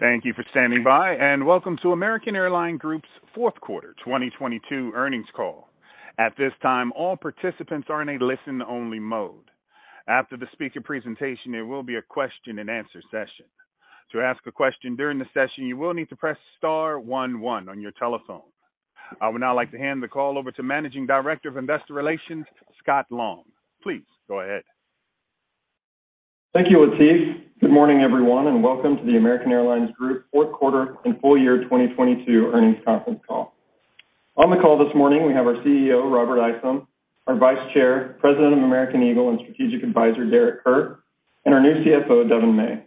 Thank you for standing by. Welcome to American Airlines Group's fourth quarter 2022 earnings call. At this time, all participants are in a listen-only mode. After the speaker presentation, there will be a question-and-answer session. To ask a question during the session, you will need to press star one one on your telephone. I would now like to hand the call over to Managing Director of Investor Relations, Scott Long. Please go ahead. Thank you, Atif. Good morning, everyone, and welcome to the American Airlines Group fourth quarter and full year 2022 earnings conference call. On the call this morning, we have our CEO, Robert Isom, our Vice Chair, President of American Eagle, and Strategic Advisor, Derek Kerr, and our new CFO, Devon May.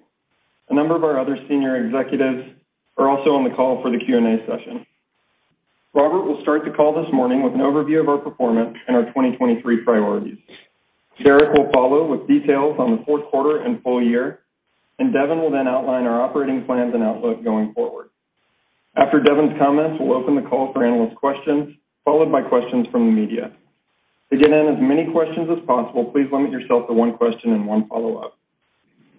A number of our other senior executives are also on the call for the Q&A session. Robert will start the call this morning with an overview of our performance and our 2023 priorities. Derek will follow with details on the fourth quarter and full year. Devon will then outline our operating plans and outlook going forward. After Devn's comments, we'll open the call for analysts' questions, followed by questions from the media. To get in as many questions as possible, please limit yourself to one question and one follow-up.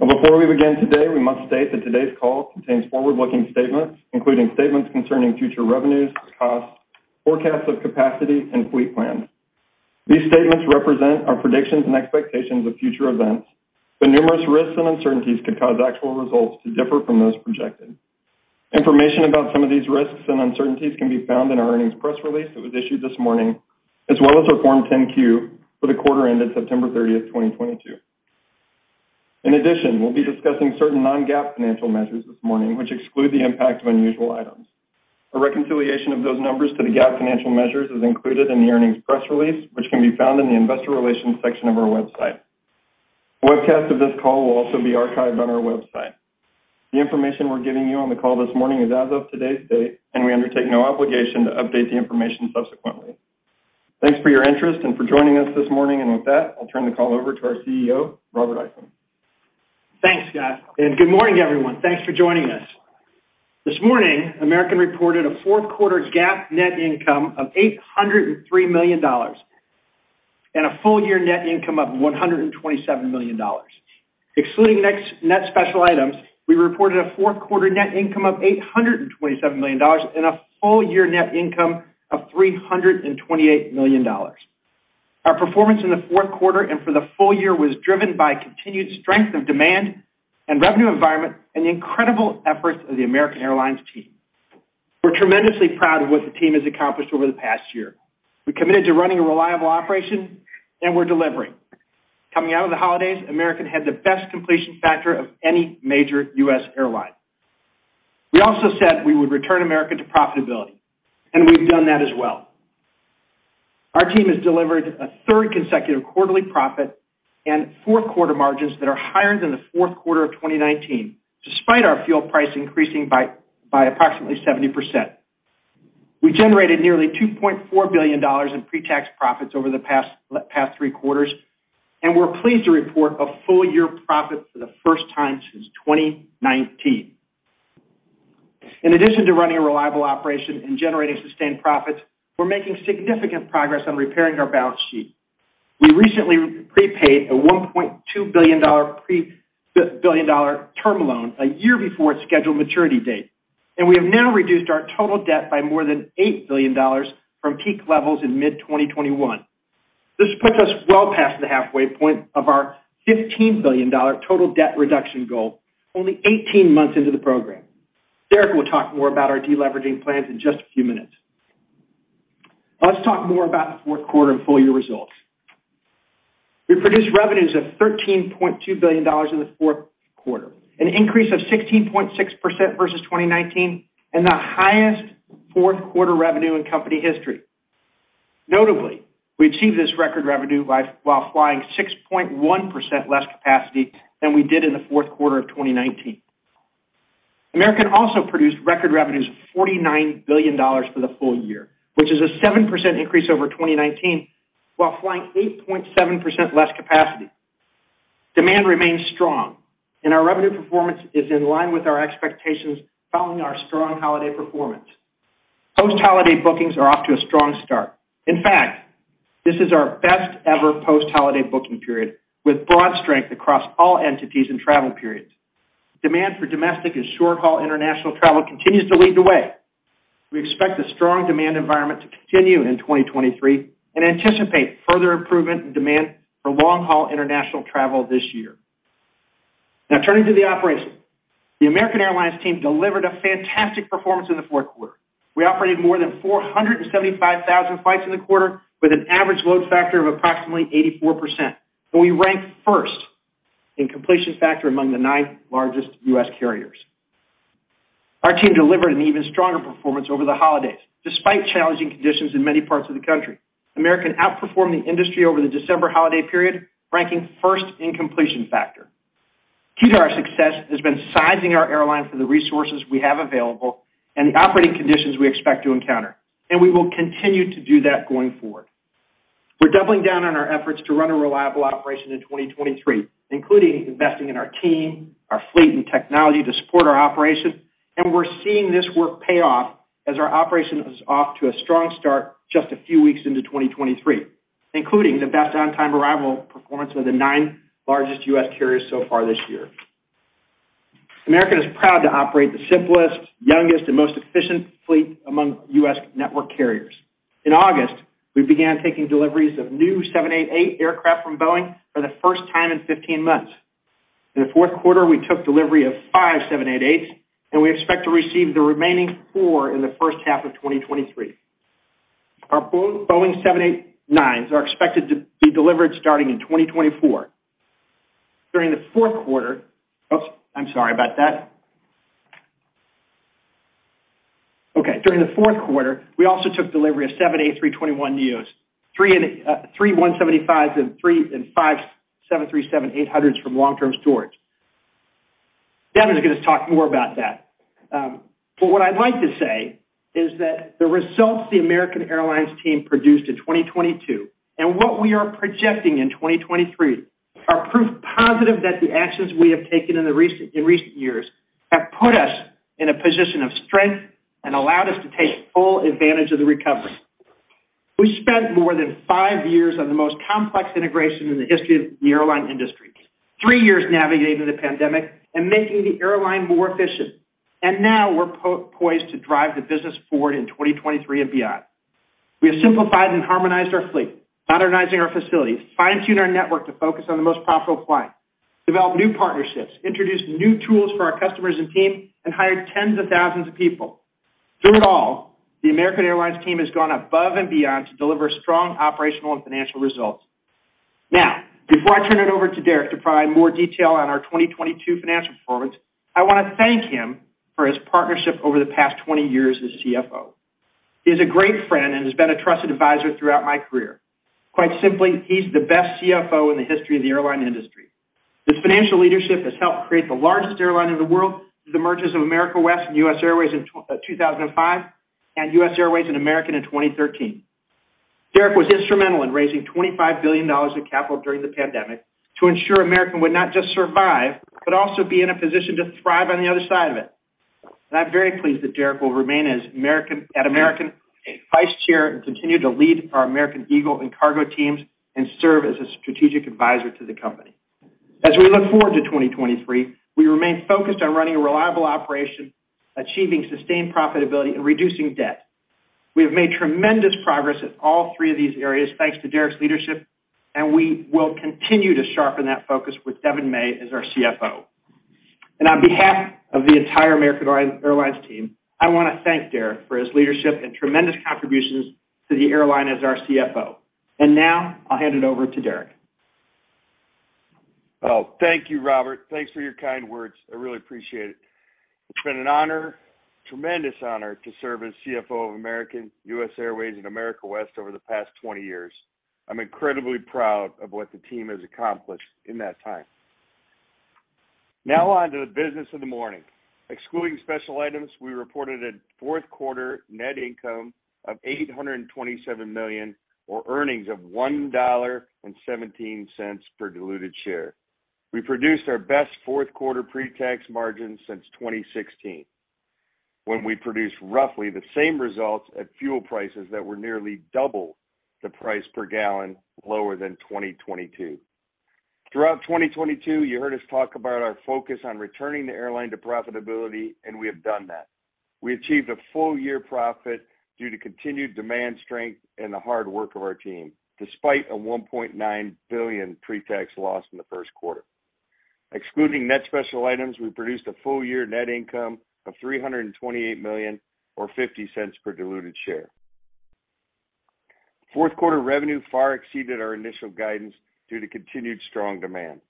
Before we begin today, we must state that today's call contains forward-looking statements, including statements concerning future revenues, costs, forecasts of capacity, and fleet plans. These statements represent our predictions and expectations of future events, numerous risks and uncertainties could cause actual results to differ from those projected. Information about some of these risks and uncertainties can be found in our earnings press release that was issued this morning, as well as our Form 10-Q for the quarter ended September 30, 2022. In addition, we'll be discussing certain non-GAAP financial measures this morning, which exclude the impact of unusual items. A reconciliation of those numbers to the GAAP financial measures is included in the earnings press release, which can be found in the investor relations section of our website. A webcast of this call will also be archived on our website. The information we're giving you on the call this morning is as of today's date. We undertake no obligation to update the information subsequently. Thanks for your interest and for joining us this morning. With that, I'll turn the call over to our CEO, Robert Isom. Thanks, Scott, good morning, everyone. Thanks for joining us. This morning, American reported a fourth quarter GAAP net income of $803 million and a full-year net income of $127 million. Excluding net special items, we reported a fourth quarter net income of $827 million and a full-year net income of $328 million. Our performance in the fourth quarter and for the full year was driven by continued strength of demand and revenue environment and the incredible efforts of the American Airlines team. We're tremendously proud of what the team has accomplished over the past year. We committed to running a reliable operation, we're delivering. Coming out of the holidays, American had the best completion factor of any major U.S. airline. We also said we would return American to profitability, we've done that as well. Our team has delivered a third consecutive quarterly profit and four-quarter margins that are higher than the fourth quarter of 2019, despite our fuel price increasing by approximately 70%. We generated nearly $2.4 billion in pre-tax profits over the past three quarters, and we're pleased to report a full-year profit for the first time since 2019. In addition to running a reliable operation and generating sustained profits, we're making significant progress on repairing our balance sheet. We recently prepaid a $1.2 billion term loan a year before its scheduled maturity date, we have now reduced our total debt by more than $8 billion from peak levels in mid-2021. This puts us well past the halfway point of our $15 billion total debt reduction goal only 18 months into the program. Derek will talk more about our deleveraging plans in just a few minutes. Let's talk more about the fourth quarter and full-year results. We produced revenues of $13.2 billion in the fourth quarter, an increase of 16.6% versus 2019, and the highest fourth quarter revenue in company history. Notably, we achieved this record revenue while flying 6.1% less capacity than we did in the fourth quarter of 2019. American also produced record revenues of $49 billion for the full year, which is a 7% increase over 2019, while flying 8.7% less capacity. Demand remains strong and our revenue performance is in line with our expectations following our strong holiday performance. Post-holiday bookings are off to a strong start. In fact, this is our best ever post-holiday booking period with broad strength across all entities and travel periods. Demand for domestic and short-haul international travel continues to lead the way. We expect a strong demand environment to continue in 2023 and anticipate further improvement in demand for long-haul international travel this year. Now turning to the operation. The American Airlines team delivered a fantastic performance in the fourth quarter. We operated more than 475,000 flights in the quarter with an average load factor of approximately 84%, and we ranked first in completion factor among the nine largest U.S. carriers. Our team delivered an even stronger performance over the holidays, despite challenging conditions in many parts of the country. American outperformed the industry over the December holiday period, ranking first in completion factor. Key to our success has been sizing our airline for the resources we have available and the operating conditions we expect to encounter, and we will continue to do that going forward. We're doubling down on our efforts to run a reliable operation in 2023, including investing in our team, our fleet and technology to support our operation, and we're seeing this work pay off as our operation is off to a strong start just a few weeks into 2023. Including the best on-time arrival performance of the nine largest U.S. carriers so far this year. American is proud to operate the simplest, youngest and most efficient fleet among U.S. network carriers. In August, we began taking deliveries of new 787 aircraft from Boeing for the first time in 15 months. In the fourth quarter, we took delivery of five 787s, and we expect to receive the remaining four in the first half of 2023. Our Boeing 787-9s are expected to be delivered starting in 2024. During the fourth quarter... Oops, I'm sorry about that. Okay. During the fourth quarter, we also took delivery of seven A321neos, three E175s, and five 737-800s from long-term storage. Devon's gonna talk more about that. What I'd like to say is that the results the American Airlines team produced in 2022 and what we are projecting in 2023 are proof positive that the actions we have taken in recent years have put us in a position of strength and allowed us to take full advantage of the recovery. We spent more than 5 years on the most complex integration in the history of the airline industry, 3 years navigating the pandemic and making the airline more efficient, now we're poised to drive the business forward in 2023 and beyond. We have simplified and harmonized our fleet, modernizing our facilities, fine-tuned our network to focus on the most profitable clients, developed new partnerships, introduced new tools for our customers and team, and hired tens of thousands of people. Through it all, the American Airlines team has gone above and beyond to deliver strong operational and financial results. Before I turn it over to Derek to provide more detail on our 2022 financial performance, I wanna thank him for his partnership over the past 20 years as CFO. He's a great friend and has been a trusted advisor throughout my career. Quite simply, he's the best CFO in the history of the airline industry. His financial leadership has helped create the largest airline in the world through the mergers of America West and U.S. Airways in 2005 and U.S. Airways and American Airlines in 2013. Derek Kerr was instrumental in raising $25 billion in capital during the pandemic to ensure American Airlines would not just survive, but also be in a position to thrive on the other side of it. I'm very pleased that Derek Kerr will remain at American Airlines Vice Chair and continue to lead our American Eagle and cargo teams and serve as a Strategic Advisor to the company. As we look forward to 2023, we remain focused on running a reliable operation, achieving sustained profitability and reducing debt. We have made tremendous progress in all three of these areas thanks to Derek's leadership, we will continue to sharpen that focus with Devon May as our CFO. On behalf of the entire American Airlines team, I wanna thank Derek for his leadership and tremendous contributions to the airline as our CFO. Now I'll hand it over to Derek. Well, thank you, Robert. Thanks for your kind words. I really appreciate it. It's been an honor, tremendous honor to serve as CFO of American, U.S. Airways and America West over the past 20 years. I'm incredibly proud of what the team has accomplished in that time. On to the business of the morning. Excluding special items, we reported a fourth quarter net income of $827 million or earnings of $1.17 per diluted share. We produced our best fourth quarter pre-tax margins since 2016, when we produced roughly the same results at fuel prices that were nearly double the price per gallon lower than 2022. Throughout 2022, you heard us talk about our focus on returning the airline to profitability, we have done that. We achieved a full-year profit due to continued demand strength and the hard work of our team, despite a $1.9 billion pre-tax loss in the first quarter. Excluding net special items, we produced a full-year net income of $328 million or $0.50 per diluted share. Fourth quarter revenue far exceeded our initial guidance due to continued strong demand.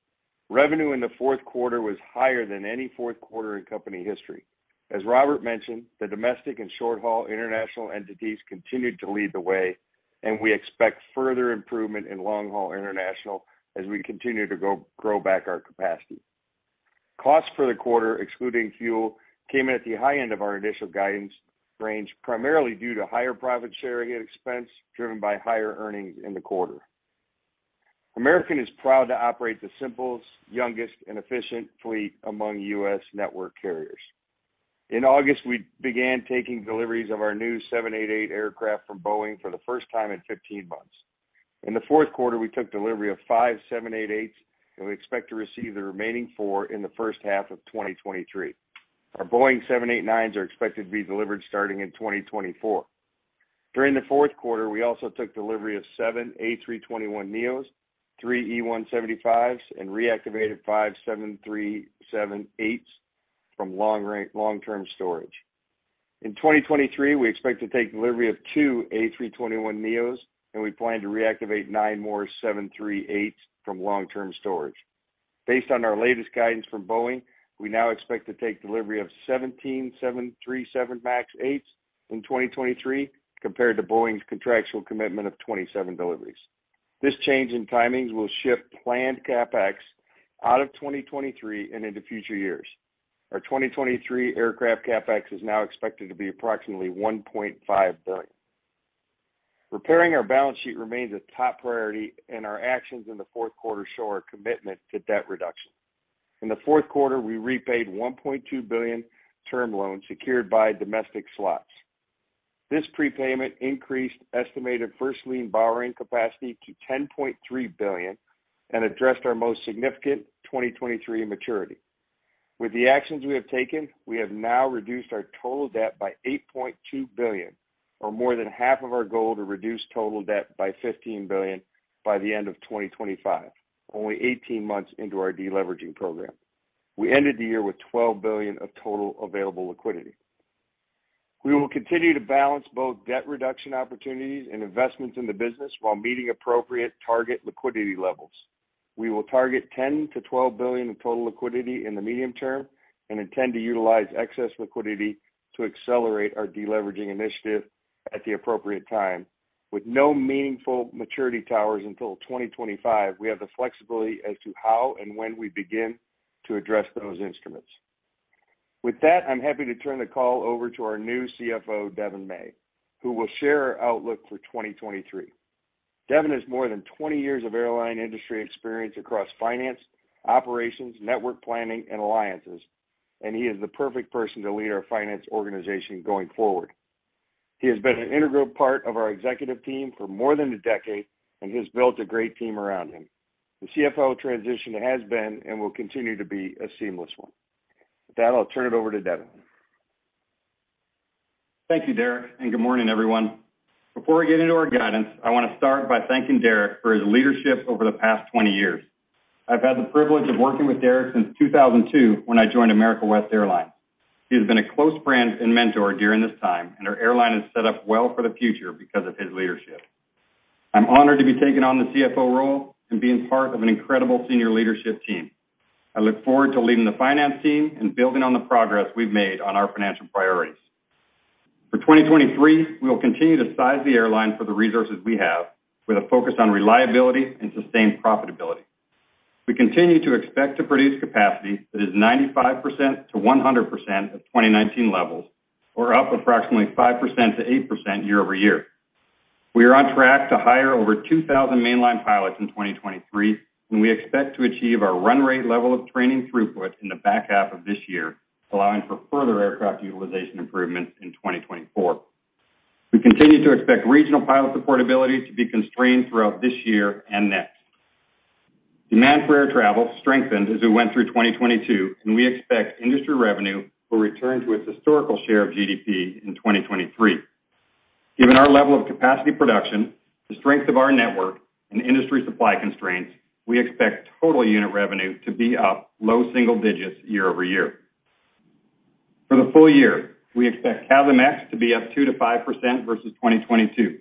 Revenue in the fourth quarter was higher than any fourth quarter in company history. As Robert mentioned, the domestic and short-haul international entities continued to lead the way, and we expect further improvement in long-haul international as we continue to grow back our capacity. Costs for the quarter, excluding fuel, came in at the high end of our initial guidance range, primarily due to higher profit sharing and expense, driven by higher earnings in the quarter. American is proud to operate the simplest, youngest and efficient fleet among U.S. network carriers. In August, we began taking deliveries of our new 788 aircraft from Boeing for the first time in 15 months. In the fourth quarter, we took delivery of five 788s, and we expect to receive the remaining four in the first half of 2023. Our Boeing 789s are expected to be delivered starting in 2024. During the fourth quarter, we also took delivery of seven A321neos, three E175s and reactivated five 737-8s from long-term storage. In 2023, we expect to take delivery of two A321neos, and we plan to reactivate nine more 738s from long-term storage. Based on our latest guidance from Boeing, we now expect to take delivery of 17 737 MAX 8s in 2023 compared to Boeing's contractual commitment of 27 deliveries. This change in timings will shift planned CapEx out of 2023 and into future years. Our 2023 aircraft CapEx is now expected to be approximately $1.5 billion. Repairing our balance sheet remains a top priority, and our actions in the fourth quarter show our commitment to debt reduction. In the fourth quarter, we repaid $1.2 billion term loans secured by domestic slots. This prepayment increased estimated first lien borrowing capacity to $10.3 billion and addressed our most significant 2023 maturity. With the actions we have taken, we have now reduced our total debt by $8.2 billion, or more than half of our goal to reduce total debt by $15 billion by the end of 2025, only 18 months into our deleveraging program. We ended the year with $12 billion of total available liquidity. We will continue to balance both debt reduction opportunities and investments in the business while meeting appropriate target liquidity levels. We will target $10 billion-$12 billion in total liquidity in the medium term and intend to utilize excess liquidity to accelerate our deleveraging initiative at the appropriate time. With no meaningful maturity towers until 2025, we have the flexibility as to how and when we begin to address those instruments. I'm happy to turn the call over to our new CFO, Devon May, who will share our outlook for 2023. Devon has more than 20 years of airline industry experience across finance, operations, network planning, and alliances, and he is the perfect person to lead our finance organization going forward. He has been an integral part of our executive team for more than a decade and has built a great team around him. The CFO transition has been and will continue to be a seamless one. I'll turn it over to Devon. Thank you, Derek, and good morning, everyone. Before we get into our guidance, I wanna start by thanking Derek for his leadership over the past 20 years. I've had the privilege of working with Derek since 2002 when I joined America West Airlines. He has been a close friend and mentor during this time, and our airline is set up well for the future because of his leadership. I'm honored to be taking on the CFO role and being part of an incredible senior leadership team. I look forward to leading the finance team and building on the progress we've made on our financial priorities. For 2023, we will continue to size the airline for the resources we have with a focus on reliability and sustained profitability. We continue to expect to produce capacity that is 95%-100% of 2019 levels or up approximately 5%-8% year-over-year. We are on track to hire over 2,000 mainline pilots in 2023, and we expect to achieve our run rate level of training throughput in the back half of this year, allowing for further aircraft utilization improvements in 2024. We continue to expect regional pilot supportability to be constrained throughout this year and next. Demand for air travel strengthened as we went through 2022, and we expect industry revenue will return to its historical share of GDP in 2023. Given our level of capacity production, the strength of our network, and industry supply constraints, we expect total unit revenue to be up low single digits year-over-year. For the full year, we expect CASM-ex to be up 2%-5% versus 2022.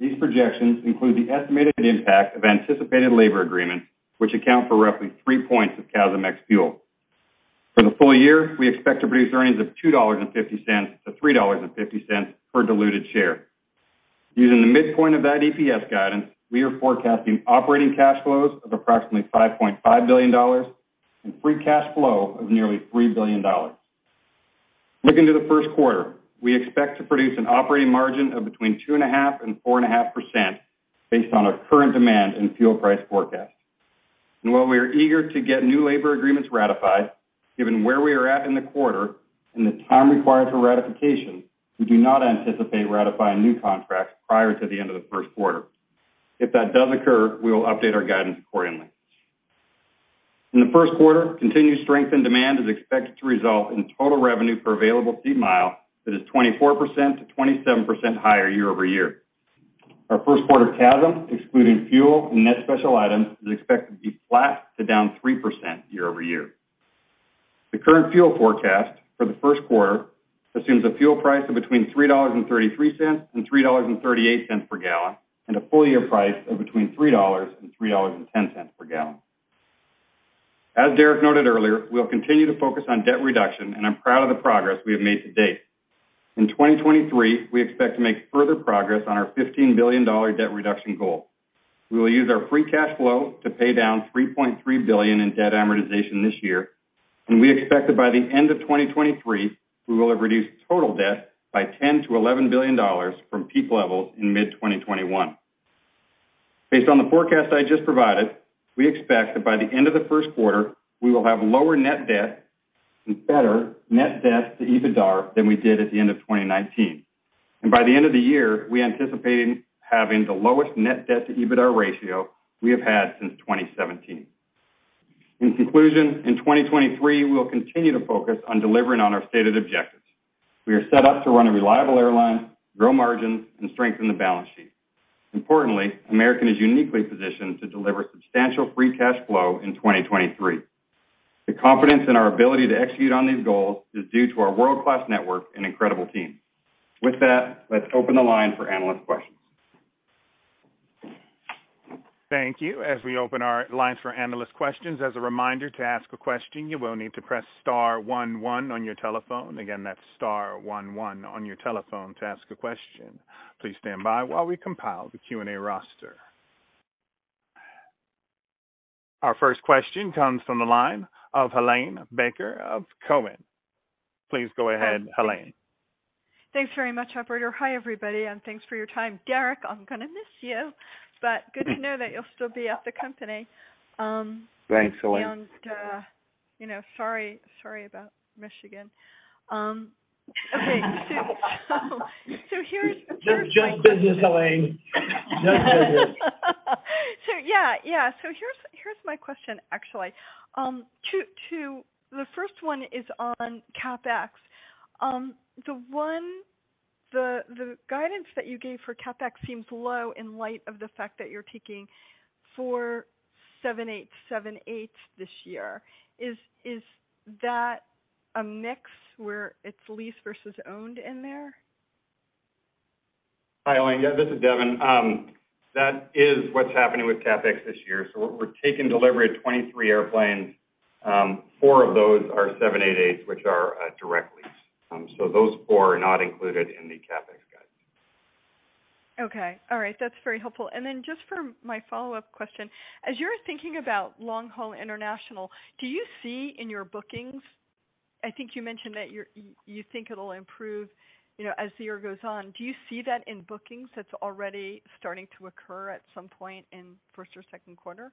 These projections include the estimated impact of anticipated labor agreements, which account for roughly 3 points of CASM-ex fuel. For the full year, we expect to produce earnings of $2.50-$3.50 per diluted share. Using the midpoint of that EPS guidance, we are forecasting operating cash flows of approximately $5.5 billion and free cash flow of nearly $3 billion. Looking to the first quarter, we expect to produce an operating margin of between 2.5% and 4.5% based on our current demand and fuel price forecast. While we are eager to get new labor agreements ratified, given where we are at in the quarter and the time required for ratification, we do not anticipate ratifying new contracts prior to the end of the first quarter. If that does occur, we will update our guidance accordingly. In the first quarter, continued strength and demand is expected to result in total revenue for Available Seat Mile that is 24% to 27% higher year-over-year. Our first quarter CASM, excluding fuel and net special items, is expected to be flat to down 3% year-over-year. The current fuel forecast for the first quarter assumes a fuel price of between $3.33 and $3.38 per gallon and a full-year price of between $3.00 and $3.10 per gallon. As Derek noted earlier, we'll continue to focus on debt reduction, and I'm proud of the progress we have made to date. In 2023, we expect to make further progress on our $15 billion debt reduction goal. We will use our free cash flow to pay down $3.3 billion in debt amortization this year. We expect that by the end of 2023, we will have reduced total debt by $10 billion-$11 billion from peak levels in mid-2021. Based on the forecast I just provided, we expect that by the end of the first quarter, we will have lower net debt and better net debt to EBITDA than we did at the end of 2019. By the end of the year, we anticipate having the lowest net debt-to-EBITDA ratio we have had since 2017. In conclusion, in 2023, we will continue to focus on delivering on our stated objectives. We are set up to run a reliable airline, grow margins, and strengthen the balance sheet. Importantly, American is uniquely positioned to deliver substantial free cash flow in 2023. The confidence in our ability to execute on these goals is due to our world-class network and incredible team. With that, let's open the line for analyst questions. Thank you. As we open our lines for analyst questions, as a reminder, to ask a question, you will need to press star one one on your telephone. Again, that's star one one on your telephone to ask a question. Please stand by while we compile the Q&A roster. Our first question comes from the line of Helane Becker of Cowen. Please go ahead, Helane Thanks very much, operator. Hi, everybody, and thanks for your time. Derek, I'm gonna miss you, but good to know that you'll still be at the company. Thanks,. you know, sorry about Michigan. Okay. so here's- It's just business, Helane. Just business. Yeah, yeah. Here's my question actually. The first one is on CapEx. The guidance that you gave for CapEx seems low in light of the fact that you're taking four 787-8s this year. Is that a mix where it's leased versus owned in there? Hi, Elaine. Yeah, this is Devon. That is what's happening with CapEx this year. We're taking delivery of 23 airplanes. Four of those are 787s, which are direct leases. Those four are not included in the CapEx guidance. Okay. All right. That's very helpful. Just for my follow-up question, as you're thinking about long-haul international, do you see in your bookings... I think you mentioned that you think it'll improve, you know, as the year goes on. Do you see that in bookings that's already starting to occur at some point in first or second quarter?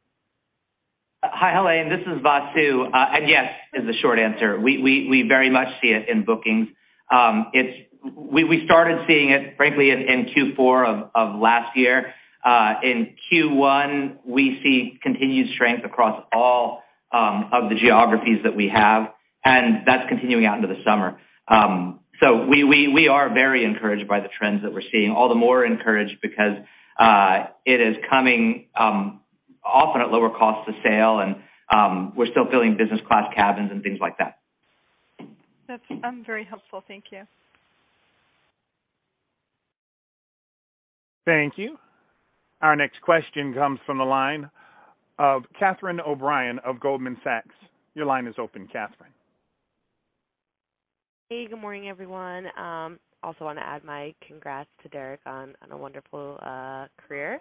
Hi, Helane. This is Vasu. Yes is the short answer. We very much see it in bookings. We started seeing it, frankly, in Q4 of last year. In Q1, we see continued strength across all of the geographies that we have, and that's continuing out into the summer. We are very encouraged by the trends that we're seeing, all the more encouraged because it is coming often at lower cost of sale and we're still filling business class cabins and things like that. That's very helpful. Thank you. Thank you. Our next question comes from the line of Catherine O'Brien of Goldman Sachs. Your line is open, Catherine. Hey, good morning, everyone. Also wanna add my congrats to Derek on a wonderful career.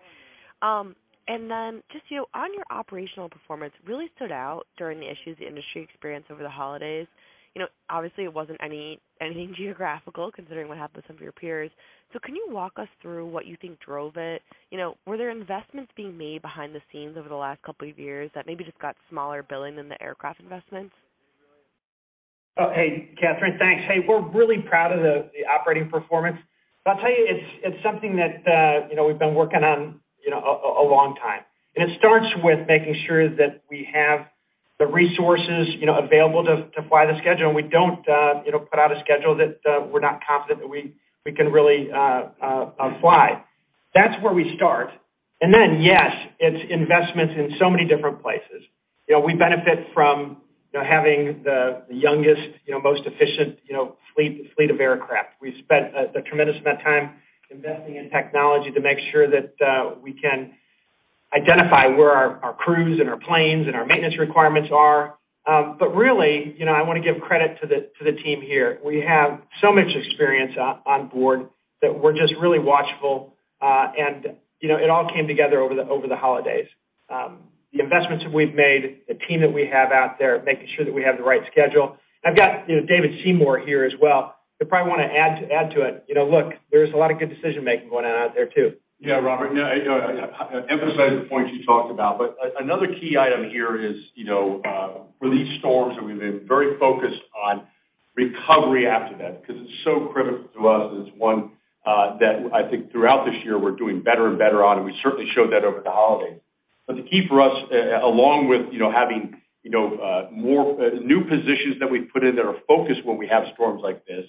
Just, you know, on your operational performance, really stood out during the issues the industry experienced over the holidays. You know, obviously it wasn't anything geographical considering what happened to some of your peers. Can you walk us through what you think drove it? You know, were there investments being made behind the scenes over the last couple of years that maybe just got smaller billing than the aircraft investments? Oh, hey, Catherine. Thanks. We're really proud of the operating performance. I'll tell you, it's something that, you know, we've been working on, you know, a long time. It starts with making sure that we have the resources, you know, available to fly the schedule. We don't put out a schedule that we're not confident that we can really fly. That's where we start. Yes, it's investments in so many different places. You know, we benefit from, you know, having the youngest most efficient, you know, fleet of aircraft. We spent a tremendous amount of time investing in technology to make sure that we can identify where our crews and our planes and our maintenance requirements are. Really, you know, I wanna give credit to the team here. We have so much experience on board that we're just really watchful. You know, it all came together over the holidays. The investments that we've made, the team that we have out there, making sure that we have the right schedule. I've got, you know, David Seymour here as well. He'll probably wanna add to it. You know, look, there's a lot of good decision-making going on out there too. Yeah, Robert. No, I emphasize the point you talked about, another key item here is, you know, for these storms that we've been very focused on recovery after that because it's so critical to us, and it's one that I think throughout this year we're doing better and better on, and we certainly showed that over the holidays. The key for us, along with, you know, having, you know, more new positions that we've put in that are focused when we have storms like this,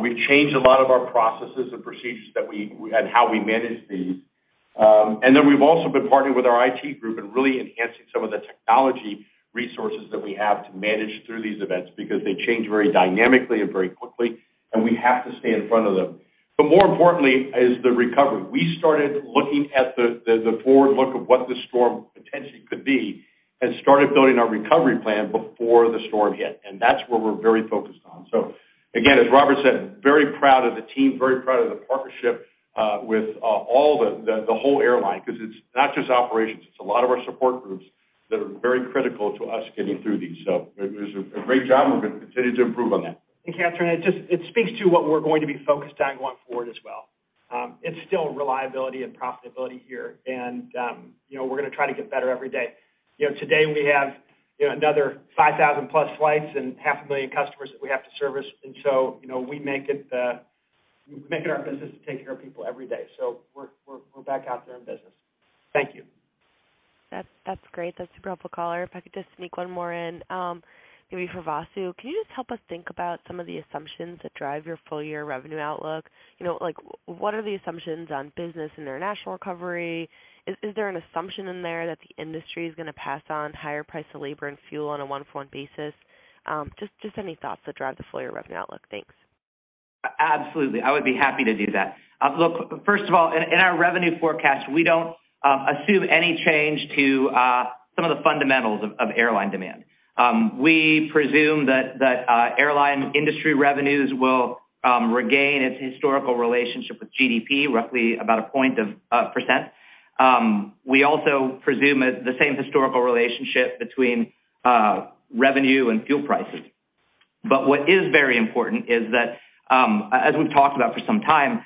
we've changed a lot of our processes and procedures and how we manage these. We've also been partnering with our IT group and really enhancing some of the technology resources that we have to manage through these events because they change very dynamically and very quickly, and we have to stay in front of them. More importantly is the recovery. We started looking at the forward look of what the storm potentially could be and started building our recovery plan before the storm hit. That's where we're very focused on. Again, as Robert said, very proud of the team, very proud of the partnership with all the whole airline because it's not just operations, it's a lot of our support groups that are very critical to us getting through these. It was a great job, and we're gonna continue to improve on that. Catherine, it speaks to what we're going to be focused on going forward as well. It's still reliability and profitability here and, you know, we're gonna try to get better every day. You know, today we have, you know, another 5,000+ flights and half a million customers that we have to service. So, you know, we make it, we make it our business to take care of people every day. We're back out there in business. Thank you. That's great. That's a super helpful call. If I could just sneak one more in, maybe for Vasu. Can you just help us think about some of the assumptions that drive your full-year revenue outlook? You know, like what are the assumptions on business and international recovery? Is there an assumption in there that the industry is gonna pass on higher price of labor and fuel on a one-for-one basis? just any thoughts that drive the full-year revenue outlook. Thanks. Absolutely. I would be happy to do that. Look, first of all, in our revenue forecast, we don't assume any change to some of the fundamentals of airline demand. We presume that airline industry revenues will regain its historical relationship with GDP, roughly about 1%. We also presume the same historical relationship between revenue and fuel prices. What is very important is that as we've talked about for some time,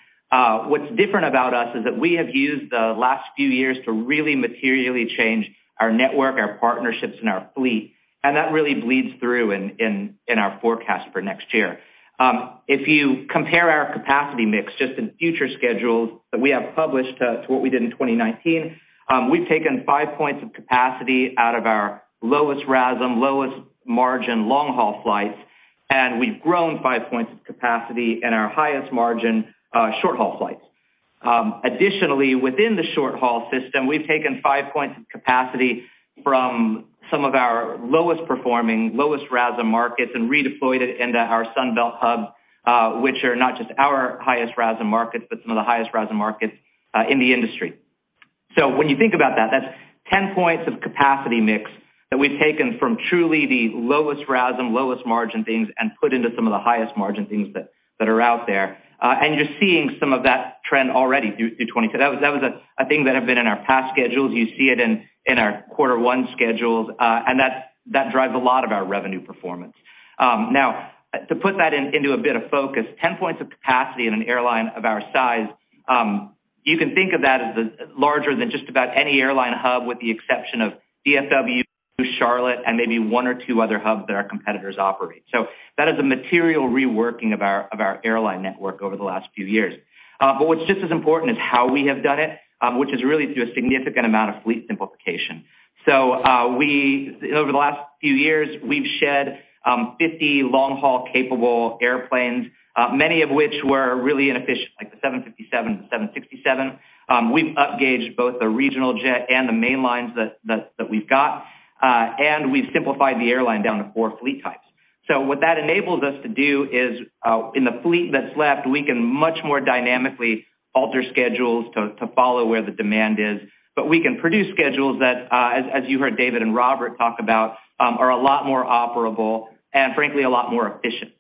what's different about us is that we have used the last few years to really materially change our network, our partnerships, and our fleet, and that really bleeds through in our forecast for next year. If you compare our capacity mix just in future schedules that we have published, to what we did in 2019, we've taken 5 points of capacity out of our lowest RASM, lowest margin long-haul flights, and we've grown 5 points of capacity in our highest margin, short-haul flights. Additionally, within the short-haul system, we've taken 5 points of capacity from some of our lowest performing, lowest RASM markets and redeployed it into our Sun Belt hub, which are not just our highest RASM markets, but some of the highest RASM markets, in the industry. When you think about that's 10 points of capacity mix that we've taken from truly the lowest RASM, lowest margin things and put into some of the highest margin things that are out there. You're seeing some of that trend already through 2022. That was a thing that had been in our past schedules. You see it in our quarter 1 schedules, and that drives a lot of our revenue performance. Now to put that into a bit of focus, 10 points of capacity in an airline of our size, you can think of that as the larger than just about any airline hub with the exception of DFW, Charlotte, and maybe one or two other hubs that our competitors operate. That is a material reworking of our airline network over the last few years. What's just as important is how we have done it, which is really through a significant amount of fleet simplification. We over the last few years, we've shed 50 long-haul capable airplanes, many of which were really inefficient, like the Boeing 757, the Boeing 767. We've up gauged both the regional jet and the main lines that we've got, and we've simplified the airline down to four fleet types. What that enables us to do is, in the fleet that's left, we can much more dynamically alter schedules to follow where the demand is. We can produce schedules that, as you heard David and Robert talk about, are a lot more operable and frankly, a lot more efficient.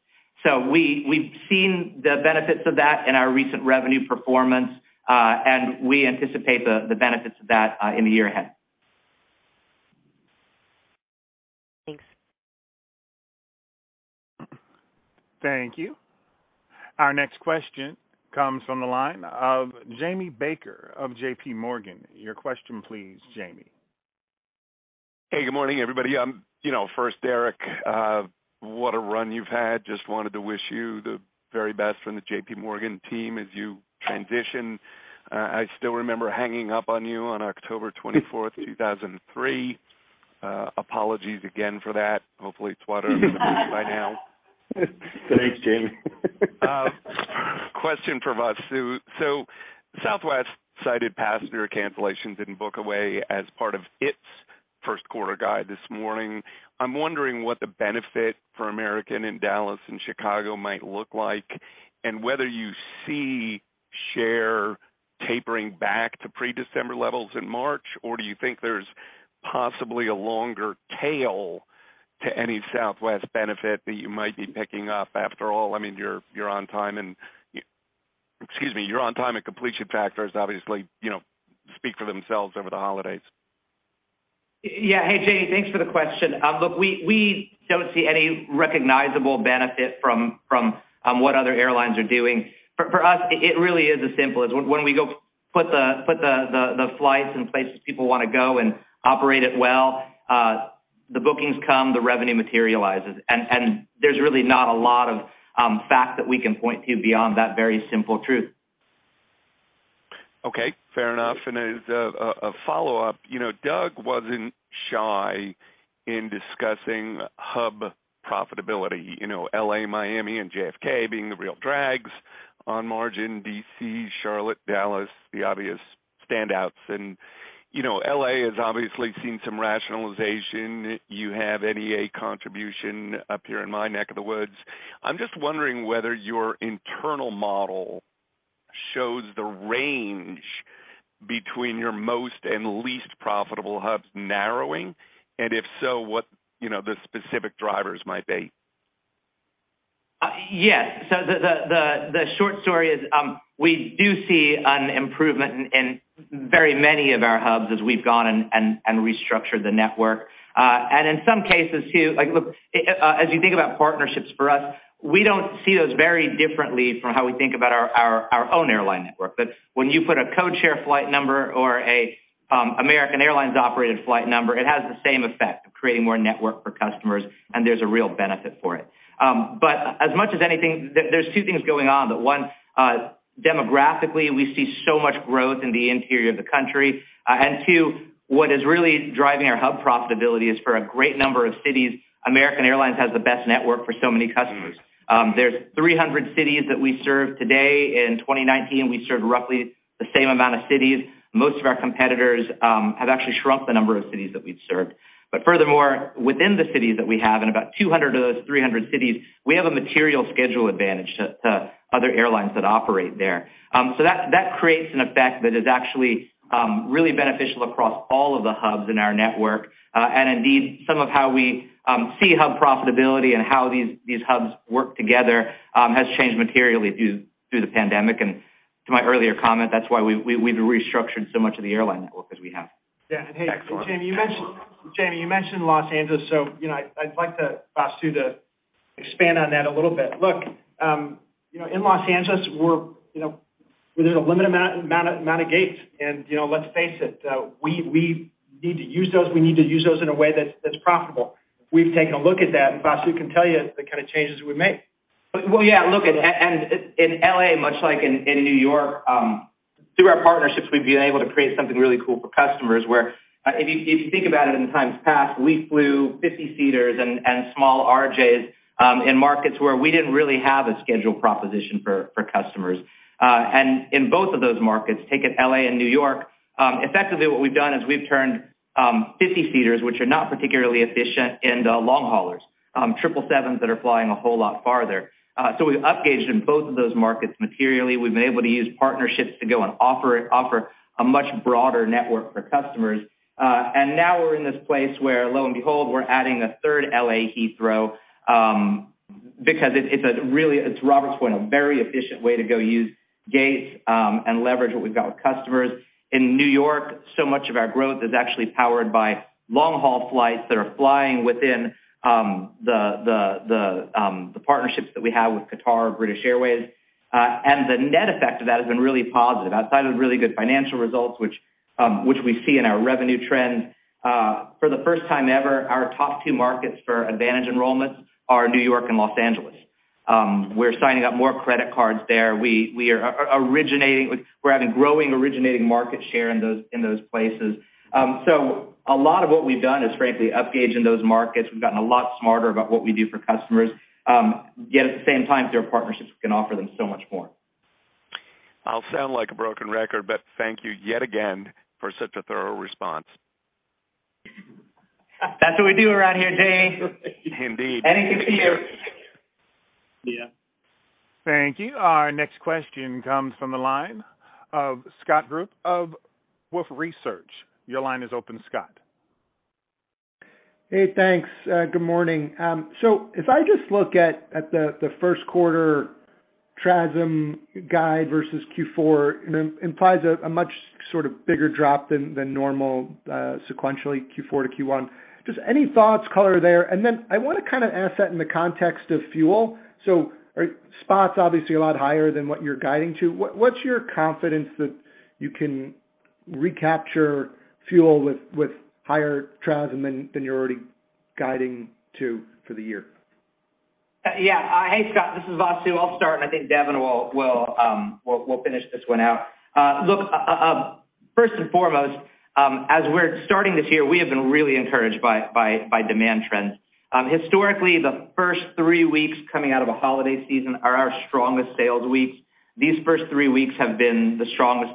We've seen the benefits of that in our recent revenue performance, and we anticipate the benefits of that in the year ahead. Thanks. Thank you. Our next question comes from the line of Jamie Baker of J.P. Morgan. Your question, please, Jamie. Hey, good morning, everybody. you know, first, Derek, what a run you've had. Just wanted to wish you the very best from the J.P. Morgan team as you transition. I still remember hanging up on you on October twenty-fourth, two thousand and three. Apologies again for that. Hopefully, it's water under the bridge by now. Thanks, Jamie. Question for Vasu. Southwest cited passenger cancellations in book away as part of its first quarter guide this morning. I'm wondering what the benefit for American in Dallas and Chicago might look like, and whether you see share tapering back to pre-December levels in March, or do you think there's possibly a longer tail to any Southwest benefit that you might be picking up? After all, I mean, you're on time and completion factors obviously, you know, speak for themselves over the holidays. Hey, Jamie, thanks for the question. Look, we don't see any recognizable benefit from what other airlines are doing. For us, it really is as simple as when we go put the flights in places people wanna go and operate it well, the bookings come, the revenue materializes. There's really not a lot of fact that we can point to beyond that very simple truth. Okay, fair enough. As a follow-up, you, Doug wasn't shy in discussing hub profitability. You know, L.A., Miami, and JFK being the real drags on margin, D.C., Charlotte, Dallas, the obvious standouts. You know, L.A. has obviously seen some rationalization. You have NEA contribution up here in my neck of the woods. I'm just wondering whether your internal model shows the range between your most and least profitable hubs narrowing, and if so, what, you know, the specific drivers might be. Yes. The short story is, we do see an improvement in very many of our hubs as we've gone and restructured the network. In some cases, too, like, look, as you think about partnerships for us, we don't see those very differently from how we think about our own airline network. That when you put a code share flight number or a American Airlines-operated flight number, it has the same effect of creating more network for customers, and there's a real benefit for it. As much as anything, there's two things going on, that one, demographically, we see so much growth in the interior of the country. Two, what is really driving our hub profitability is for a great number of cities, American Airlines has the best network for so many customers. There's 300 cities that we serve today. In 2019, we served roughly the same amount of cities. Most of our competitors have actually shrunk the number of cities that we've served. Furthermore, within the cities that we have, in about 200 of those 300 cities, we have a material schedule AAdvantage to other airlines that operate there. That, that creates an effect that is actually really beneficial across all of the hubs in our network. Indeed, some of how we see hub profitability and how these hubs work together has changed materially through the pandemic. To my earlier comment, that's why we've restructured so much of the airline network as we have. Hey, Jamie, you mentioned Los Angeles, so, you know, I'd like to ask you to expand on that a little bit. Look, you know, in Los Angeles we're, you know, there's a limited amount of gates and, you know, let's face it, we need to use those, we need to use those in a way that's profitable. We've taken a look at that. Vasu can tell you the kind of changes we've made. Yeah, look, and in L.A., much like in New York, through our partnerships, we've been able to create something really cool for customers where, if you think about it in times past, we flew 50-seaters and small RJs in markets where we didn't really have a schedule proposition for customers. In both of those markets, take it L.A. and New York, effectively what we've done is we've turned 50-seaters, which are not particularly efficient in the long haulers, 777s that are flying a whole lot farther. We've upgauged in both of those markets materially. We've been able to use partnerships to go and offer a much broader network for customers. Now we're in this place where, lo and behold, we're adding a third L.A. Heathrow, because it's a really, to Robert's point, a very efficient way to go use gates and leverage what we've got with customers. In New York, so much of our growth is actually powered by long-haul flights that are flying within the partnerships that we have with Qatar, British Airways. The net effect of that has been really positive outside of really good financial results, which we see in our revenue trends. For the first time ever, our top two markets for AAdvantage enrollments are New York and Los Angeles. We're signing up more credit cards there. We're having growing originating market share in those places. A lot of what we've done is frankly upgauged those markets. We've gotten a lot smarter about what we do for customers, yet at the same time through our partnerships, we can offer them so much more. I'll sound like a broken record, but thank you yet again for such a thorough response. That's what we do around here, Jay. Indeed. Anything for you. Yeah. Thank you. Our next question comes from the line of Scott Group of Wolfe Research. Your line is open, Scott. Hey, thanks. Good morning. If I just look at the first quarter TRASM guide versus Q4, it implies a much sort of bigger drop than normal sequentially Q4 to Q1. Just any thoughts color there? Then I wanna kinda ask that in the context of fuel. Are spots obviously a lot higher than what you're guiding to. What's your confidence that you can recapture fuel with higher TRASM than you're already guiding to for the year? Yeah. Hey, Scott, this is Vasu. I'll start. I think Devon will finish this one out. Look, first and foremost, as we're starting this year, we have been really encouraged by demand trends. Historically, the first three weeks coming out of a holiday season are our strongest sales weeks. These first three weeks have been the strongest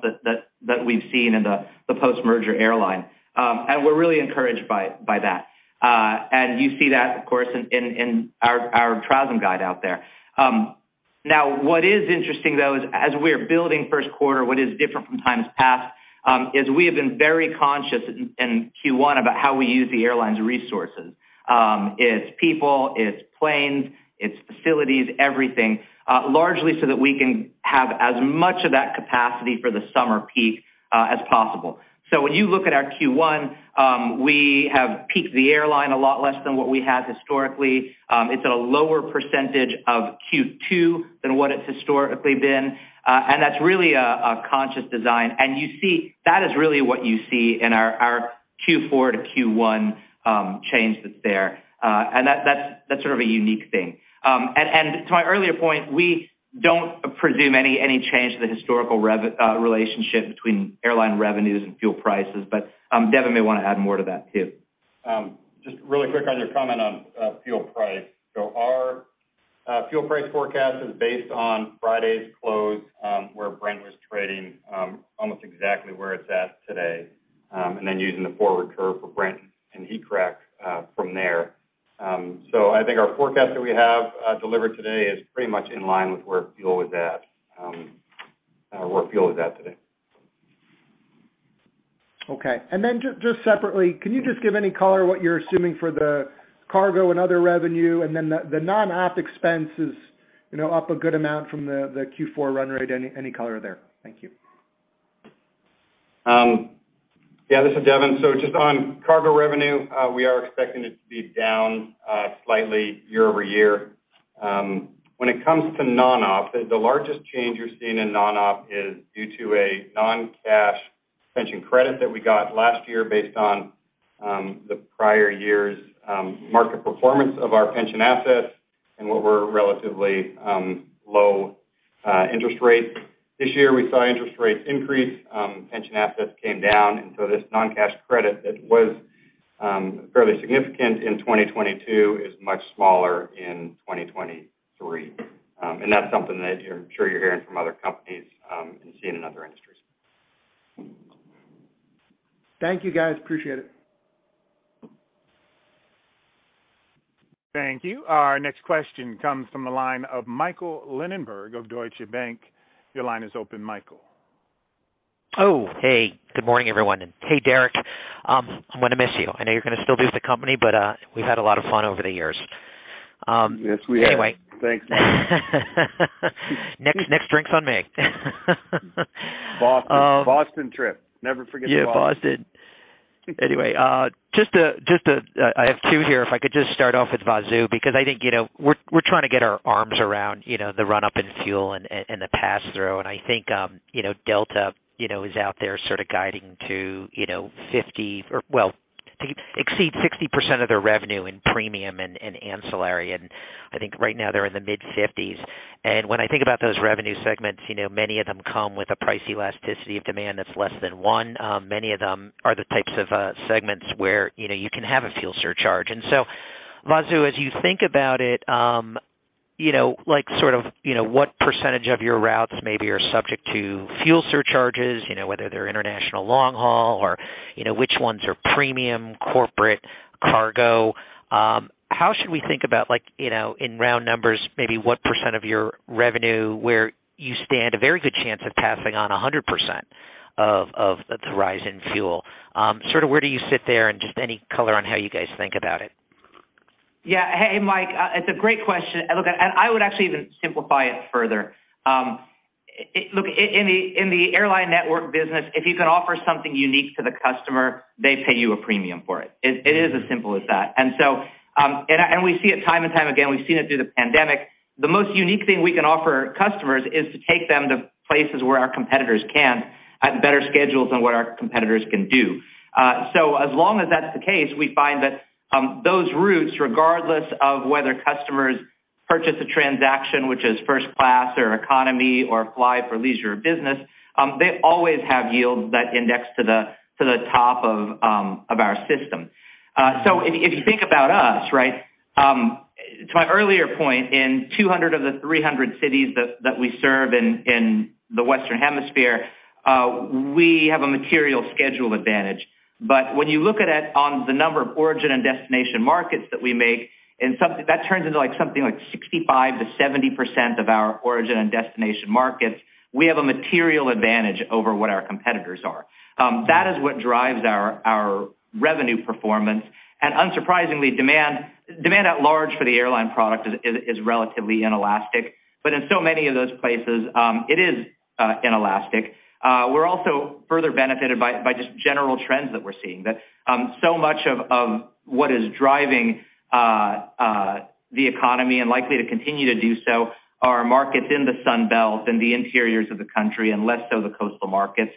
that we've seen in the post-merger airline. We're really encouraged by that. You see that, of course, in our TRASM guide out there. Now, what is interesting, though, is as we're building first quarter, what is different from times past, is we have been very conscious in Q1 about how we use the airline's resources. It's people, it's planes, it's facilities, everything, largely so that we can have as much of that capacity for the summer peak as possible. When you look at our Q1, we have peaked the airline a lot less than what we had historically. It's at a lower percentage of Q2 than what it's historically been, and that's really a conscious design. That is really what you see in our Q4 to Q1 change that's there, and that's sort of a unique thing. To my earlier point, we don't presume any change to the historical relationship between airline revenues and fuel prices, but Devon May may wanna add more to that too. Just really quick on your comment on fuel price. Our fuel price forecast is based on Friday's close, where Brent was trading almost exactly where it's at today, and then using the forward curve for Brent and crack spread from there. I think our forecast that we have delivered today is pretty much in line with where fuel was at, where fuel is at today. Okay. Just separately, can you just give any color what you're assuming for the cargo and other revenue, and then the non-op expense is, you know, up a good amount from the Q4 run rate? Any color there? Thank you. Yeah, this is Devon. Just on cargo revenue, we are expecting it to be down slightly year-over-year. When it comes to non-op, the largest change you're seeing in non-op is due to a non-cash pension credit that we got last year based on the prior year's market performance of our pension assets and what were relatively low interest rates. This year, we saw interest rates increase, pension assets came down. This non-cash credit that was fairly significant in 2022 is much smaller in 2023. That's something that I'm sure you're hearing from other companies and seeing in other industries. Thank you, guys. Appreciate it. Thank you. Our next question comes from the line of Michael Linenberg of Deutsche Bank. Your line is open, Michael. Oh, hey, good morning, everyone. Hey, Derek, I'm gonna miss you. I know you're gonna still be with the company, but we've had a lot of fun over the years. Yes, we have. Anyway. Thanks. Next drink's on me. Boston. Um- Boston trip. Never forget Boston. Yeah, Boston. Anyway, I have two here. If I could just start off with Vasu because I think, you know, we're trying to get our arms around, you know, the run-up in fuel and the pass-through, and I think, you know, Delta, you know, is out there sort of guiding to, you know, exceed 60% of their revenue in premium and ancillary, and I think right now they're in the mid-fifties. When I think about those revenue segments, you know, many of them come with a price elasticity of demand that's less than one. Many of them are the types of segments where, you know, you can have a fuel surcharge. Vasu, as you think about it, you know, like sort of, you know, what % of your routes maybe are subject to fuel surcharges, you know, whether they're international long haul or, you know, which ones are premium, corporate, cargo. How should we think about like, you know, in round numbers, maybe what percent of your revenue where you stand a very good chance of passing on 100% of the rise in fuel? Sort of where do you sit there, and just any color on how you guys think about it? Yeah. Hey, Mike, it's a great question. Look, I would actually even simplify it further. Look, in the airline network business, if you can offer something unique to the customer, they pay you a premium for it. It is as simple as that. We see it time and time again. We've seen it through the pandemic. The most unique thing we can offer customers is to take them to places where our competitors can't at better schedules than what our competitors can do. As long as that's the case, we find that those routes, regardless of whether customers purchase a transaction which is first class or economy or fly for leisure or business, they always have yields that index to the top of our system. If you think about us, right, to my earlier point, in 200 of the 300 cities that we serve in the Western Hemisphere, we have a material schedule AAdvantage. When you look at it on the number of origin and destination markets that we make, that turns into like 65%-70% of our origin and destination markets, we have a material AAdvantage over what our competitors are. That is what drives our revenue performance. Unsurprisingly, demand at large for the airline product is relatively inelastic. In so many of those places, it is inelastic. We're also further benefited by just general trends that we're seeing, that so much of what is driving the economy and likely to continue to do so are markets in the Sun Belt and the interiors of the country, and less so the coastal markets,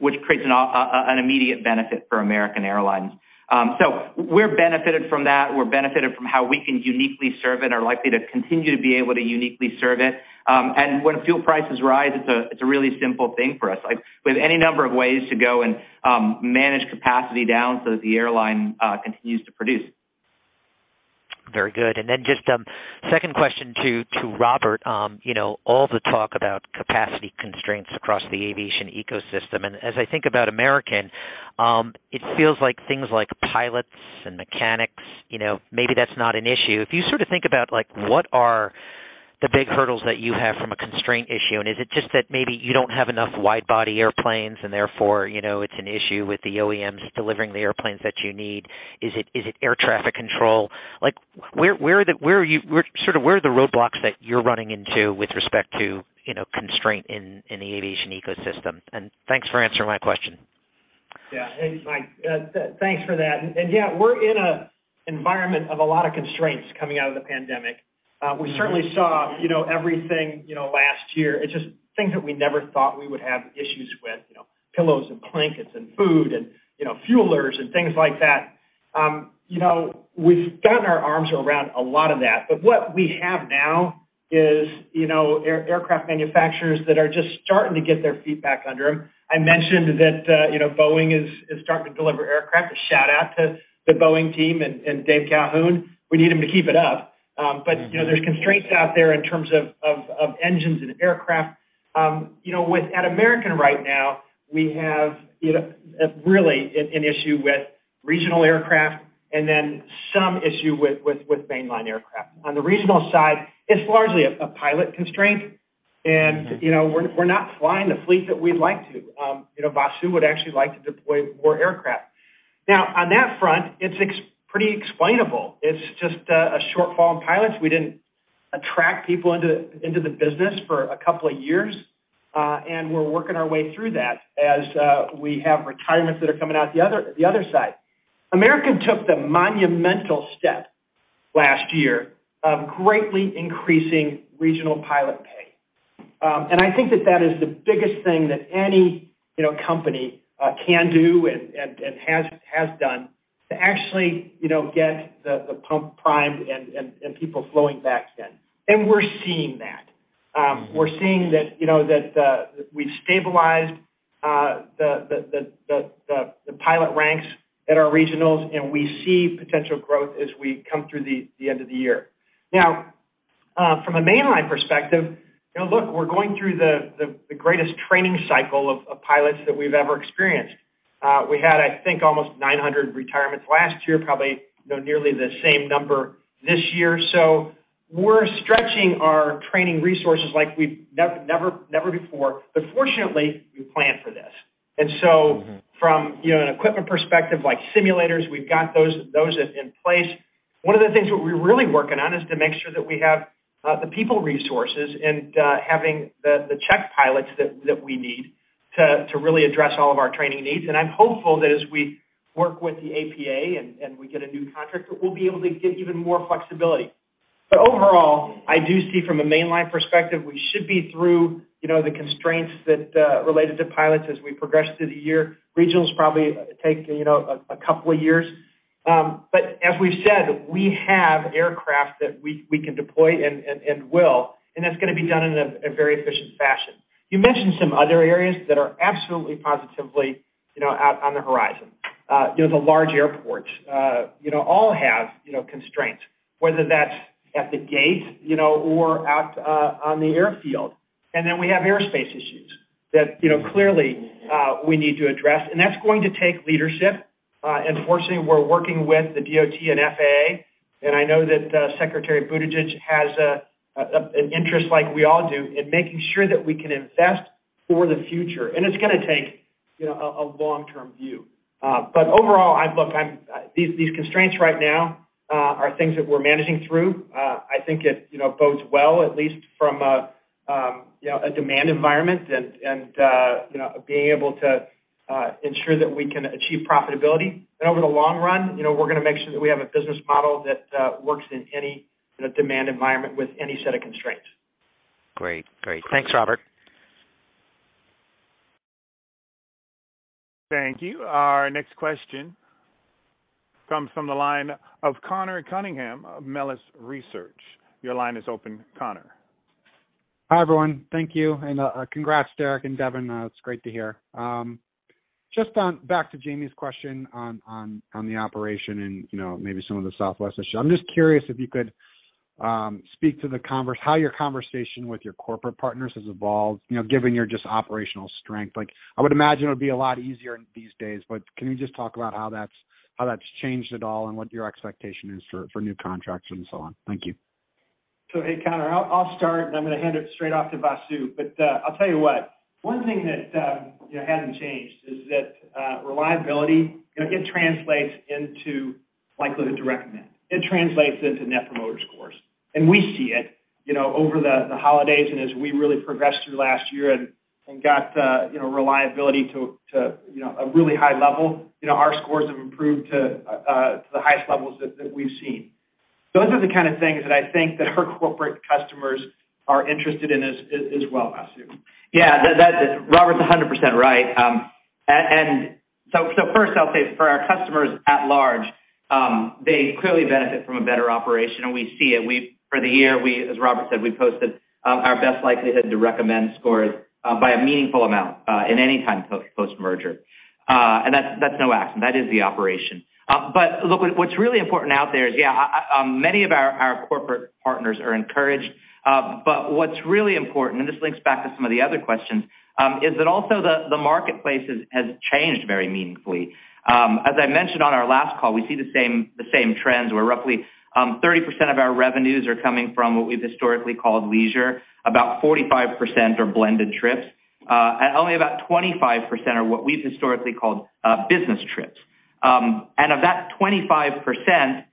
which creates an immediate benefit for American Airlines. We're benefited from that. We're benefited from how we can uniquely serve it, are likely to continue to be able to uniquely serve it. When fuel prices rise, it's a really simple thing for us. Like, we have any number of ways to go and manage capacity down so that the airline continues to produce. Very good. Just, second question to Robert all the talk about capacity constraints across the aviation ecosystem. As I think about American, it feels like things like pilots and mechanics, you know, maybe that's not an issue. If you sort of think about, like, what are the big hurdles that you have from a constraint issue, and is it just that maybe you don't have enough wide-body airplanes and therefore, you know, it's an issue with the OEMs delivering the airplanes that you need? Is it air traffic control? Like, where are the roadblocks that you're running into with respect to, you know, constraint in the aviation ecosystem? Thanks for answering my question. Hey, Mike, thanks for that. Yeah, we're in a environment of a lot of constraints coming out of the pandemic. We certainly saw, you know, everything, you know, last year. It's just things that we never thought we would have issues with, you know, pillows and blankets and food and, you know, fuelers and things like that. You know, we've gotten our arms around a lot of that. What we have now is, you know, aircraft manufacturers that are just starting to get their feet back under 'em. I mentioned that, you know, Boeing is starting to deliver aircraft. A shout-out to the Boeing team and Dave Calhoun. We need them to keep it up. You know, there's constraints out there in terms of, of engines and aircraft. You know, at American right now, we have, you know, really an issue with regional aircraft and then some issue with mainline aircraft. On the regional side, it's largely a pilot constraint. You know, we're not flying the fleet that we'd like to. You know, Vasu would actually like to deploy more aircraft. On that front, it's pretty explainable. It's just a shortfall in pilots. We didn't attract people into the business for a couple of years, we're working our way through that as we have retirements that are coming out the other side. American took the monumental step last year of greatly increasing regional pilot pay. I think that that is the biggest thing that any, you know, company can do and has done to actually, you know, get the pump primed and people flowing back again. We're seeing that. We're seeing that, you know, that we've stabilized the pilot ranks at our regionals, and we see potential growth as we come through the end of the year. Now, from a mainline perspective, you know, look, we're going through the greatest training cycle of pilots that we've ever experienced. We had, I think, almost 900 retirements last year, probably, you know, nearly the same number this year. We're stretching our training resources like we've never before. Fortunately, we planned for this. Mm-hmm. You know, an equipment perspective, like simulators, we've got those in place. One of the things that we're really working on is to make sure that we have the people resources and having the check pilots that we need to really address all of our training needs. I'm hopeful that as we work with the APA and we get a new contract, that we'll be able to get even more flexibility. Overall, I do see from a mainline perspective, we should be through, you know, the constraints that related to pilots as we progress through the year. Regionals probably take, you know, a couple of years. As we've said, we have aircraft that we can deploy and will, and it's gonna be done in a very efficient fashion. You mentioned some other areas that are absolutely positively, you know, out on the horizon. You know, the large airports, you know, all have, you know, constraints, whether that's at the gate, you know, or out on the airfield. We have airspace issues that, you know, clearly, we need to address. That's going to take leadership. Fortunately, we're working with the DOT and FAA, I know that Secretary Buttigieg has an interest like we all do in making sure that we can invest for the future. It's gonna take, you know, a long-term view. Overall, look, I'm, these constraints right now are things that we're managing through. I think it, you know, bodes well, at least from a, you know, a demand environment and, you know, being able to, ensure that we can achieve profitability. Over the long run, you know, we're gonna make sure that we have a business model that, works in any demand environment with any set of constraints. Great. Great. Thanks, Robert. Thank you. Our next question comes from the line of Conor Cunningham of Melius Research. Your line is open, Conor. Hi, everyone. Thank you. Congrats, Derek and Devon. It's great to hear. Just on back to Jamie's question on the operation and, you know, maybe some of the Southwest issues. I'm just curious if you could speak to how your conversation with your corporate partners has evolved, given your just operational strength. Like, I would imagine it would be a lot easier these days, but can you just talk about how that's changed at all and what your expectation is for new contracts and so on? Thank you. Hey, Conor, I'll start, and I'm gonna hand it straight off to Vasu. I'll tell you what, one thing that, you know, hasn't changed is that reliability, you know, it translates into likelihood to recommend. It translates into net promoter scores. We see it, you know, over the holidays and as we really progressed through last year and got, you know, reliability to, you know, a really high level. You know, our scores have improved to the highest levels that we've seen. Those are the kind of things that I think that our corporate customers are interested in as well, Vasu. Yeah. That is Robert's 100% right. First, I'll say for our customers at large, they clearly benefit from a better operation, and we see it. For the year, we, as Robert said, we posted our best likelihood to recommend scores, by a meaningful amount, in any time post-merger. That's no accident. That is the operation. Look, what's really important out there is, yeah, many of our corporate partners are encouraged. What's really important, and this links back to some of the other questions, is that also the marketplace has changed very meaningfully. As I mentioned on our last call, we see the same trends where roughly, 30% of our revenues are coming from what we've historically called leisure. About 45% are blended trips. Only about 25% are what we've historically called, business trips. Of that 25%,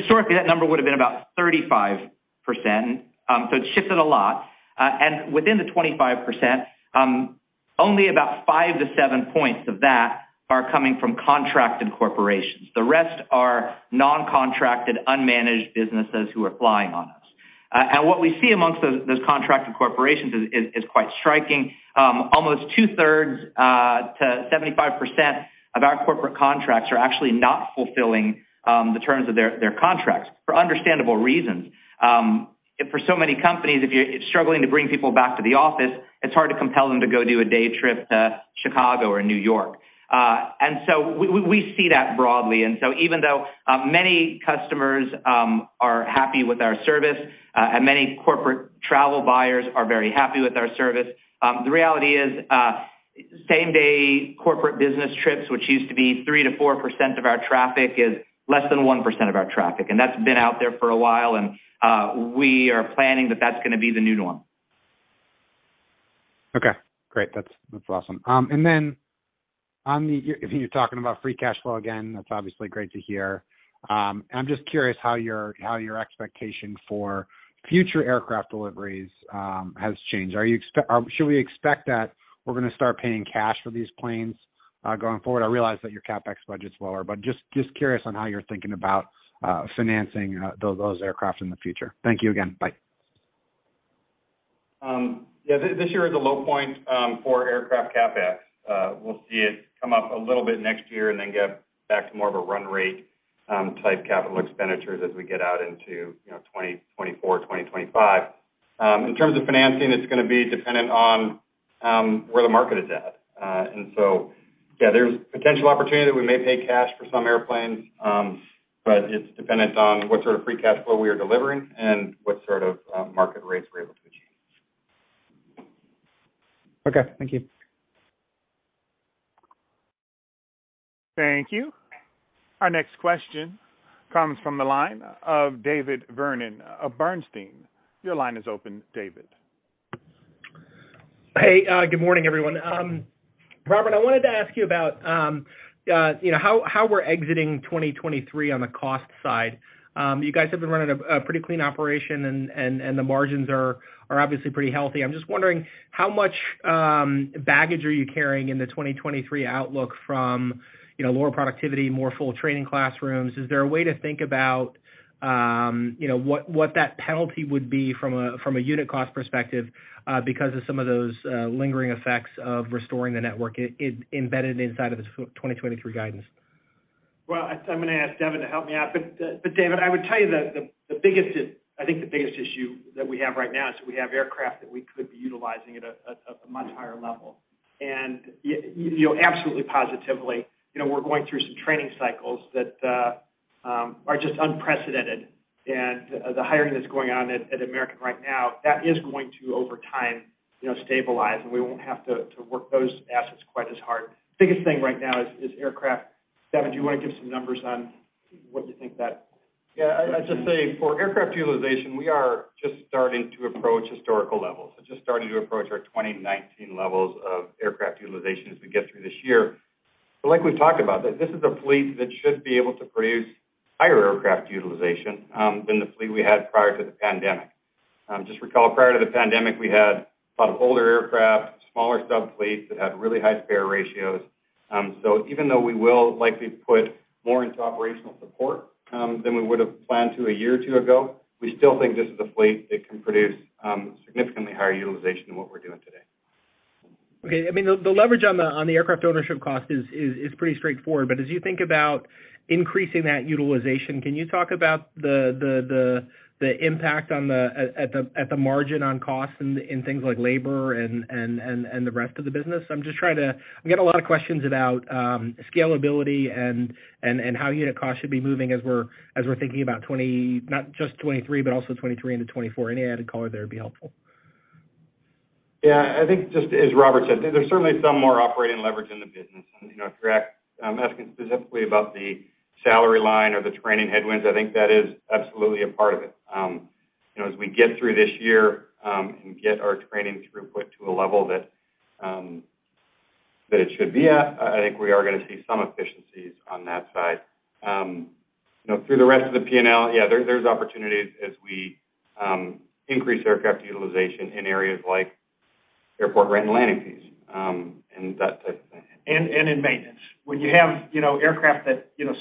historically, that number would have been about 35%, so it's shifted a lot. Within the 25%, only about 5 to 7 points of that are coming from contracted corporations. The rest are non-contracted, unmanaged businesses who are flying on us. What we see amongst those contracted corporations is quite striking. Almost two-thirds, to 75% of our corporate contracts are actually not fulfilling, the terms of their contracts for understandable reasons. Um, for so many companies, if you're struggling to bring people back to the office, it's hard to compel them to go do a day trip to Chicago or New York. Uh, and so we, we, we see that broadly. And so even though, uh, many customers, um, are happy with our service, uh, and many corporate travel buyers are very happy with our service, um, the reality is, uh, same-day corporate business trips, which used to be three to four percent of our traffic, is less than one percent of our traffic. And that's been out there for a while, and, uh, we are planning that that's gonna be the new norm. Okay, great. That's awesome. Then you're talking about free cash flow again, that's obviously great to hear. I'm just curious how your, how your expectation for future aircraft deliveries has changed. Should we expect that we're gonna start paying cash for these planes going forward? I realize that your CapEx budget's lower, but just curious on how you're thinking about financing those aircraft in the future. Thank you again. Bye. Yeah, this year is a low point for aircraft CapEx. We'll see it come up a little bit next year and then get back to more of a run rate type capital expenditures as we get out into, you know, 2024, 2025. In terms of financing, it's gonna be dependent on where the market is at. Yeah, there's potential opportunity that we may pay cash for some airplanes, but it's dependent on what sort of free cash flow we are delivering and what sort of market rates we're able to achieve. Okay. Thank you. Thank you. Our next question comes from the line of David Vernon of Bernstein. Your line is open, David. Hey, good morning, everyone. Robert, I wanted to ask you about, you know, how we're exiting 2023 on the cost side. You guys have been running a pretty clean operation and the margins are obviously pretty healthy. I'm just wondering how much baggage are you carrying in the 2023 outlook from, you know, lower productivity, more full training classrooms? Is there a way to think about, you know, what that penalty would be from a unit cost perspective, because of some of those lingering effects of restoring the network embedded inside of the 2023 guidance? I'm gonna ask Devon to help me out. David, I would tell you that I think the biggest issue that we have right now is we have aircraft that we could be utilizing at a much higher level. You know, absolutely, positively, you know, we're going through some training cycles that are just unprecedented. The hiring that's going on at American right now, that is going to over time, you know, stabilize, and we won't have to work those assets quite as hard. Biggest thing right now is aircraft. Devon, do you wanna give some numbers on what you think that? Yeah. I'd just say for aircraft utilization, we are just starting to approach historical levels. We're just starting to approach our 2019 levels of aircraft utilization as we get through this year. Like we've talked about, this is a fleet that should be able to produce higher aircraft utilization than the fleet we had prior to the pandemic. Just recall, prior to the pandemic, we had a lot of older aircraft, smaller sub fleets that had really high spare ratios. Even though we will likely put more into operational support than we would've planned to a year or two ago, we still think this is a fleet that can produce significantly higher utilization than what we're doing today. Okay. I mean, the leverage on the aircraft ownership cost is pretty straightforward. As you think about increasing that utilization, can you talk about the impact at the margin on costs in things like labor and the rest of the business? I'm getting a lot of questions about scalability and how unit costs should be moving as we're thinking about not just 2023, but also 2023 into 2024. Any added color there would be helpful. Yeah. I think just as Robert said, there's certainly some more operating leverage in the business. You know, if you're asking specifically about the salary line or the training headwinds, I think that is absolutely a part of it. You know, as we get through this year, and get our training throughput to a level that it should be at, I think we are gonna see some efficiencies on that side. You know, through the rest of the P&L, yeah, there's opportunities as we increase aircraft utilization in areas like airport rent and landing fees, and that type of thing. In maintenance. When you have, you know, aircraft that, you know,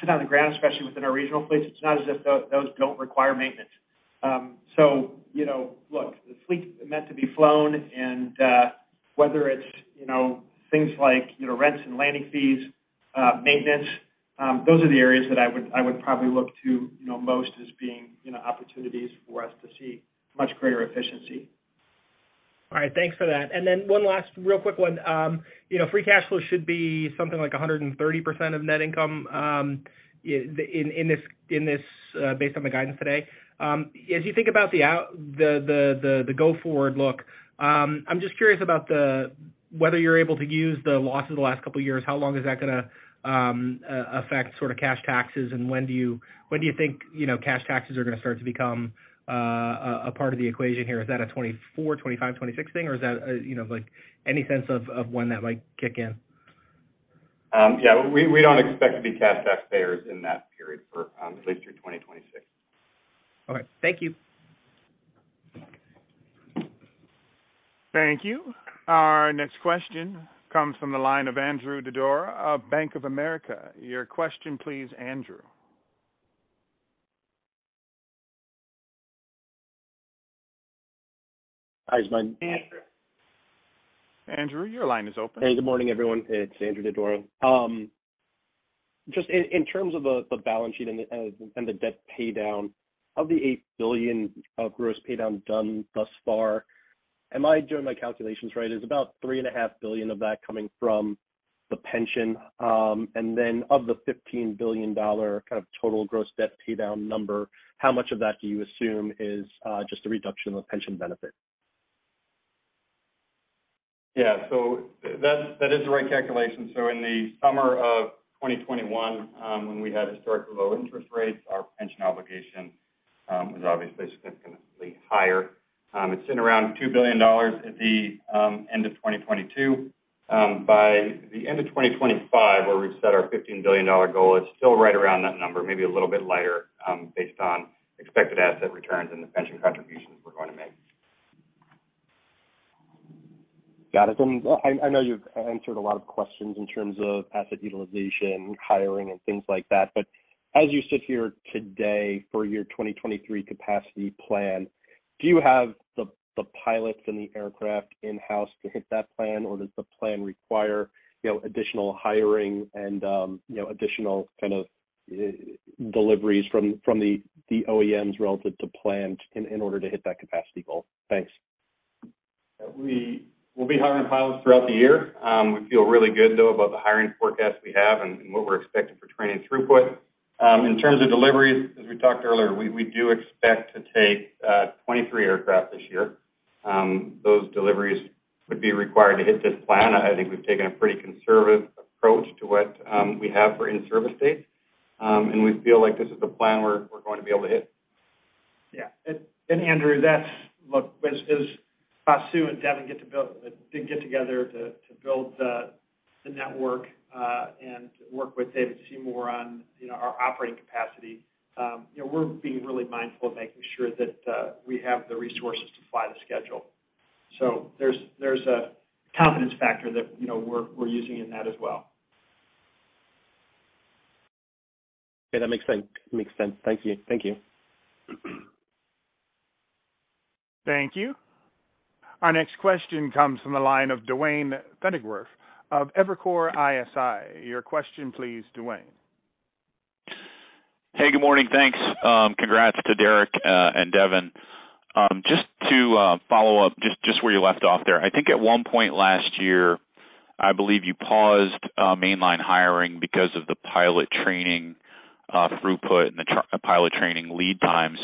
sit on the ground, especially within our regional fleets, it's not as if those don't require maintenance. You know, look, the fleet is meant to be flown. Whether it's, you know, things like, you know, rents and landing fees, maintenance, those are the areas that I would probably look to, you know, most as being, you know, opportunities for us to see much greater efficiency. All right. Thanks for that. Then one last real quick one. You know, free cash flow should be something like 130% of net income in this, based on the guidance today. As you think about the go forward look, I'm just curious about whether you're able to use the loss of the last couple of years, how long is that gonna affect sort of cash taxes and when do you, when do you think, you know, cash taxes are gonna start to become a part of the equation here? Is that a 2024, 2025, 2026 thing, or is that a, you know, like any sense of when that might kick in? We don't expect to be cash taxpayers in that period for at least through 2026. Okay. Thank you. Thank you. Our next question comes from the line of Andrew Didora of Bank of America. Your question please, Andrew. Hi this line-. Andrew. Andrew, your line is open. Hey, good morning, everyone. It's Andrew Didora. Just in terms of the balance sheet and the debt pay down, of the $8 billion of gross pay down done thus far, am I doing my calculations right? There's about $3.5 billion of that coming from the pension. Of the $15 billion kind of total gross debt pay down number, how much of that do you assume is just a reduction of pension benefit? Yeah. That is the right calculation. In the summer of 2021, when we had historically low interest rates, our pension obligation was obviously significantly higher. It's sitting around $2 billion at the end of 2022. By the end of 2025, where we've set our $15 billion goal, it's still right around that number, maybe a little bit lighter, based on expected asset returns and the pension contributions we're gonna make. Got it. I know you've answered a lot of questions in terms of asset utilization, hiring and things like that. As you sit here today for your 2023 capacity plan, do you have the pilots and the aircraft in-house to hit that plan, or does the plan require additional hiring and, you know, additional kind of deliveries from the OEMs relative to plan in order to hit that capacity goal? Thanks. We will be hiring pilots throughout the year. We feel really good, though, about the hiring forecast we have and what we're expecting for training throughput. In terms of deliveries, as we talked earlier, we do expect to take 23 aircraft this year. Those deliveries would be required to hit this plan. I think we've taken a pretty conservative approach to what we have for in-service dates, and we feel like this is a plan we're going to be able to hit. Yeah. Andrew, that's, look, as Vasu and Devon did get together to build the network and work with David Seymour on, you know, our operating capacity, you know, we're being really mindful of making sure that we have the resources to fly the schedule. There's a confidence factor that, you know, we're using in that as well. Okay, that makes sense. Makes sense. Thank you. Thank you. Thank you. Our next question comes from the line of Duane Pfennigwerth of Evercore ISI. Your question please, Duane. Hey, good morning. Thanks. Congrats to Derek and Devon. Just to follow up just where you left off there. I think at one point last year, I believe you paused mainline hiring because of the pilot training throughput and the pilot training lead times.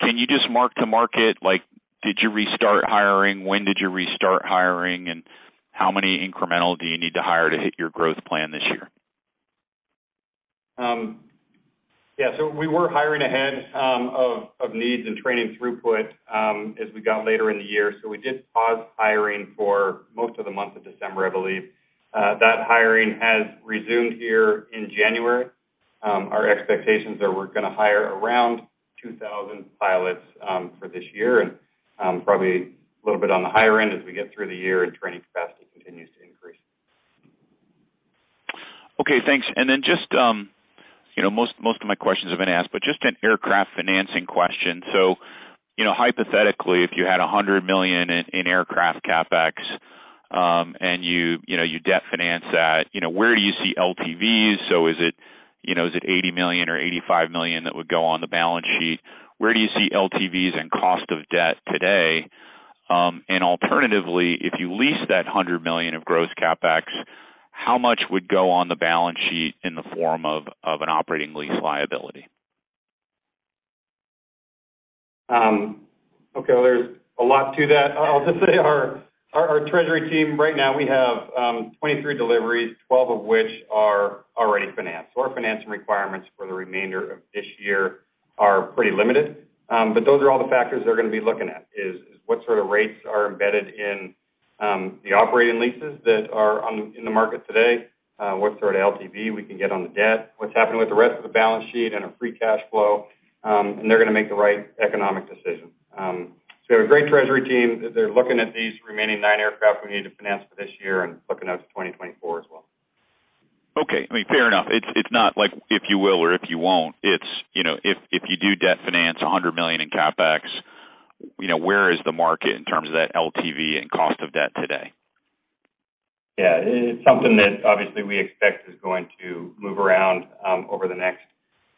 Can you just mark-to-market, like did you restart hiring? When did you restart hiring, and how many incremental do you need to hire to hit your growth plan this year? Yeah. We were hiring ahead of needs and training throughput as we got later in the year. We did pause hiring for most of the month of December, I believe. That hiring has resumed here in January. Our expectations are we're gonna hire around 2,000 pilots for this year and probably a little bit on the higher end as we get through the year and training capacity continues to increase. Okay, thanks. Just, you know, most of my questions have been asked, but just an aircraft financing question. You know, hypothetically, if you had $100 million in aircraft CapEx, and you know, you debt finance that, you know, where do you see LTVs? Is it, you know, is it $80 million or $85 million that would go on the balance sheet? Where do you see LTVs and cost of debt today? Alternatively, if you lease that $100 million of gross CapEx, how much would go on the balance sheet in the form of an operating lease liability? Okay, there's a lot to that. I'll just say our treasury team right now, we have 23 deliveries, 12 of which are already financed. Our financing requirements for the remainder of this year are pretty limited. Those are all the factors they're gonna be looking at, is what sort of rates are embedded in the operating leases that are in the market today, what sort of LTV we can get on the debt, what's happening with the rest of the balance sheet and our free cash flow, they're gonna make the right economic decision. We have a great treasury team. They're looking at these remaining nine aircraft we need to finance for this year and looking out to 2024 as well. Okay. I mean, fair enough. It's, it's not like if you will or if you won't, it's, you know, if you do debt finance $100 million in CapEx, you know, where is the market in terms of that LTV and cost of debt today? It's something that obviously we expect is going to move around over the next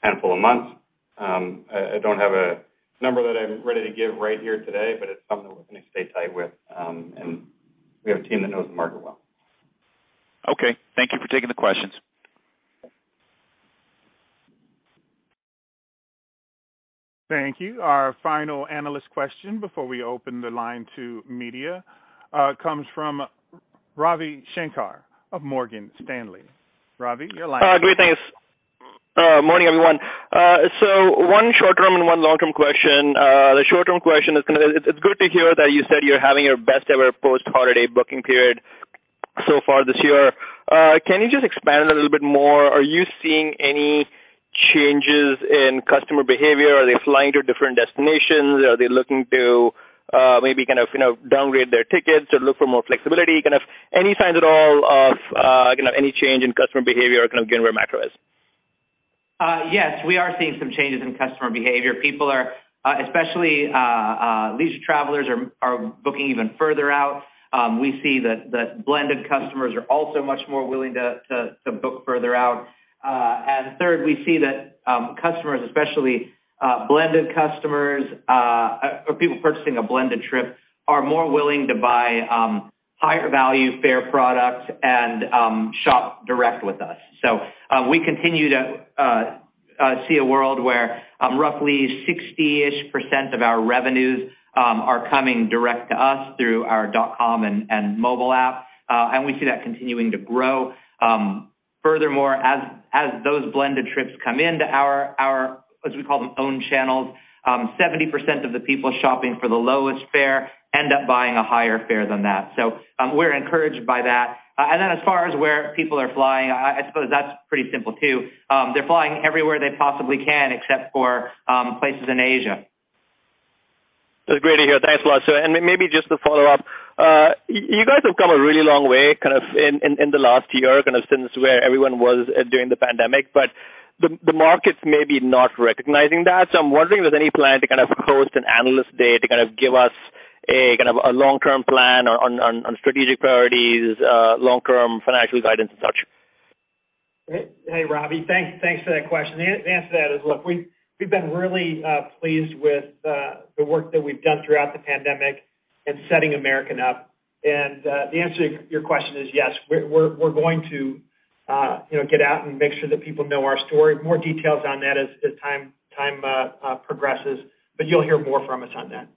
handful of months. I don't have a number that I'm ready to give right here today, but it's something that we're gonna stay tight with, and we have a team that knows the market well. Okay. Thank you for taking the questions. Thank you. Our final analyst question before we open the line to media, comes from Ravi Shanker of Morgan Stanley. Ravi, your line. Good. Thanks. Morning, everyone. One short-term and one long-term question. The short-term question is kind of it's good to hear that you said you're having your best ever post-holiday booking period so far this year. Can you just expand a little bit more? Are you seeing any changes in customer behavior? Are they flying to different destinations? Are they looking to, maybe kind of, you know, downgrade their tickets or look for more flexibility? Kind of any signs at all of,, any change in customer behavior or kind of again, where macro is? Yes, we are seeing some changes in customer behavior. People are especially leisure travelers are booking even further out. We see that the blended customers are also much more willing to book further out. Third, we see that customers, especially blended customers, or people purchasing a blended trip, are more willing to buy higher value fare products and shop direct with us. We continue to see a world where roughly 60-ish percent of our revenues are coming direct to us through our dot-com and mobile app, and we see that continuing to grow. Furthermore, as those blended trips come in to our, as we call them, own channels, 70% of the people shopping for the lowest fare end up buying a higher fare than that. We're encouraged by that. As far as where people are flying, I suppose that's pretty simple too. They're flying everywhere they possibly can except for places in Asia. That's great to hear. Thanks a lot. Maybe just to follow up, you guys have come a really long way, kind of in the last year, kind of since where everyone was during the pandemic, but the markets may be not recognizing that. I'm wondering if there's any plan to kind of host an analyst day to kind of give us a long-term plan on strategic priorities, long-term financial guidance and such. Hey, Robbie, thanks for that question. The answer to that is, look, we've been really pleased with the work that we've done throughout the pandemic in setting American up. The answer to your question is yes. We're going to, you know, get out and make sure that people know our story. More details on that as time progresses, you'll hear more from us on that.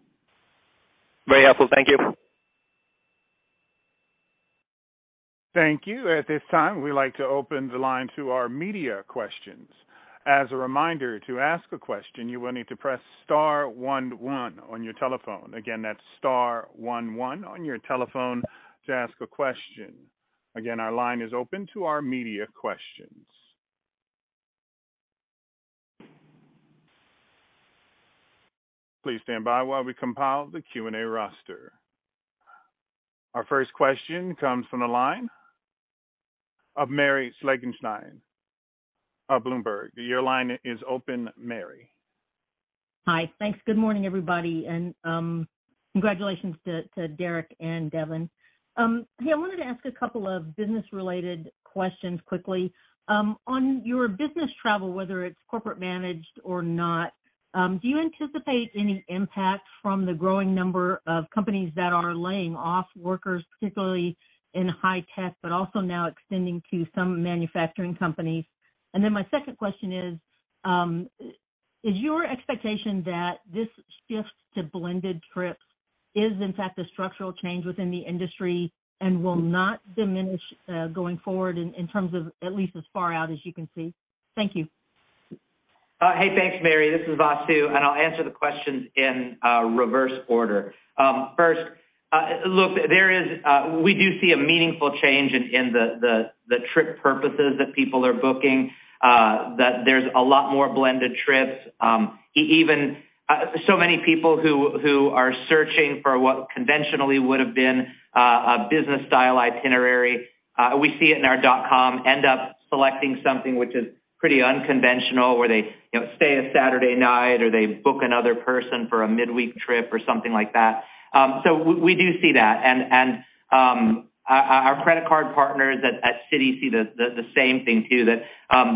Very helpful. Thank you. Thank you. At this time, we'd like to open the line to our media questions. As a reminder, to ask a question, you will need to press star one one on your telephone. Again, that's star one one on your telephone to ask a question. Again, our line is open to our media questions. Please stand by while we compile the Q&A roster. Our first question comes from the line of Mary Schlangenstein of Bloomberg. Your line is open, Mary. Hi. Thanks. Good morning, everybody, and congratulations to Derek and Devon. Hey, I wanted to ask a couple of business-related questions quickly. On your business travel, whether it's corporate managed or not, do you anticipate any impact from the growing number of companies that are laying off workers, particularly in high tech, but also now extending to some manufacturing companies? My second question is your expectation that this shift to blended trips is in fact a structural change within the industry and will not diminish going forward in terms of at least as far out as you can see? Thank you. Hey, thanks, Mary. This is Vasu, I'll answer the questions in reverse order. First, look, we do see a meaningful change in the trip purposes that people are booking, that there's a lot more blended trips. Even so many people who are searching for what conventionally would have been a business-style itinerary, we see it in our dot com, end up selecting something which is pretty unconventional, where they, you know, stay a Saturday night or they book another person for a midweek trip or something like that. We do see that. Our credit card partners at Citi see the same thing too, that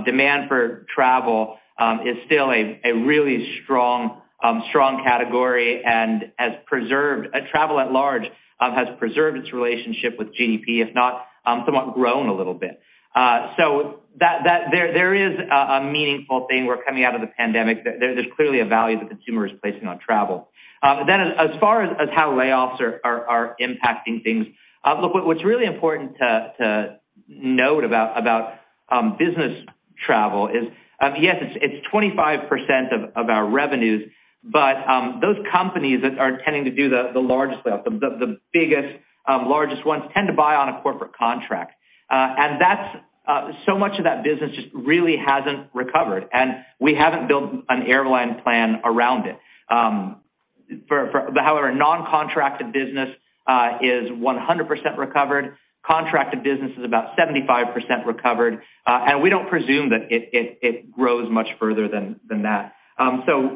demand for travel is still a really strong category and travel at large has preserved its relationship with GDP, if not somewhat grown a little bit. There is a meaningful thing. We're coming out of the pandemic. There's clearly a value the consumer is placing on travel. As far as how layoffs are impacting things, what's really important to note about business travel is, yes, it's 25% of our revenues, but those companies that are tending to do the largest of them, the biggest, largest ones tend to buy on a corporate contract. That's so much of that business just really hasn't recovered, and we haven't built an airline plan around it. However, non-contracted business is 100% recovered. Contracted business is about 75% recovered. We don't presume that it grows much further than that.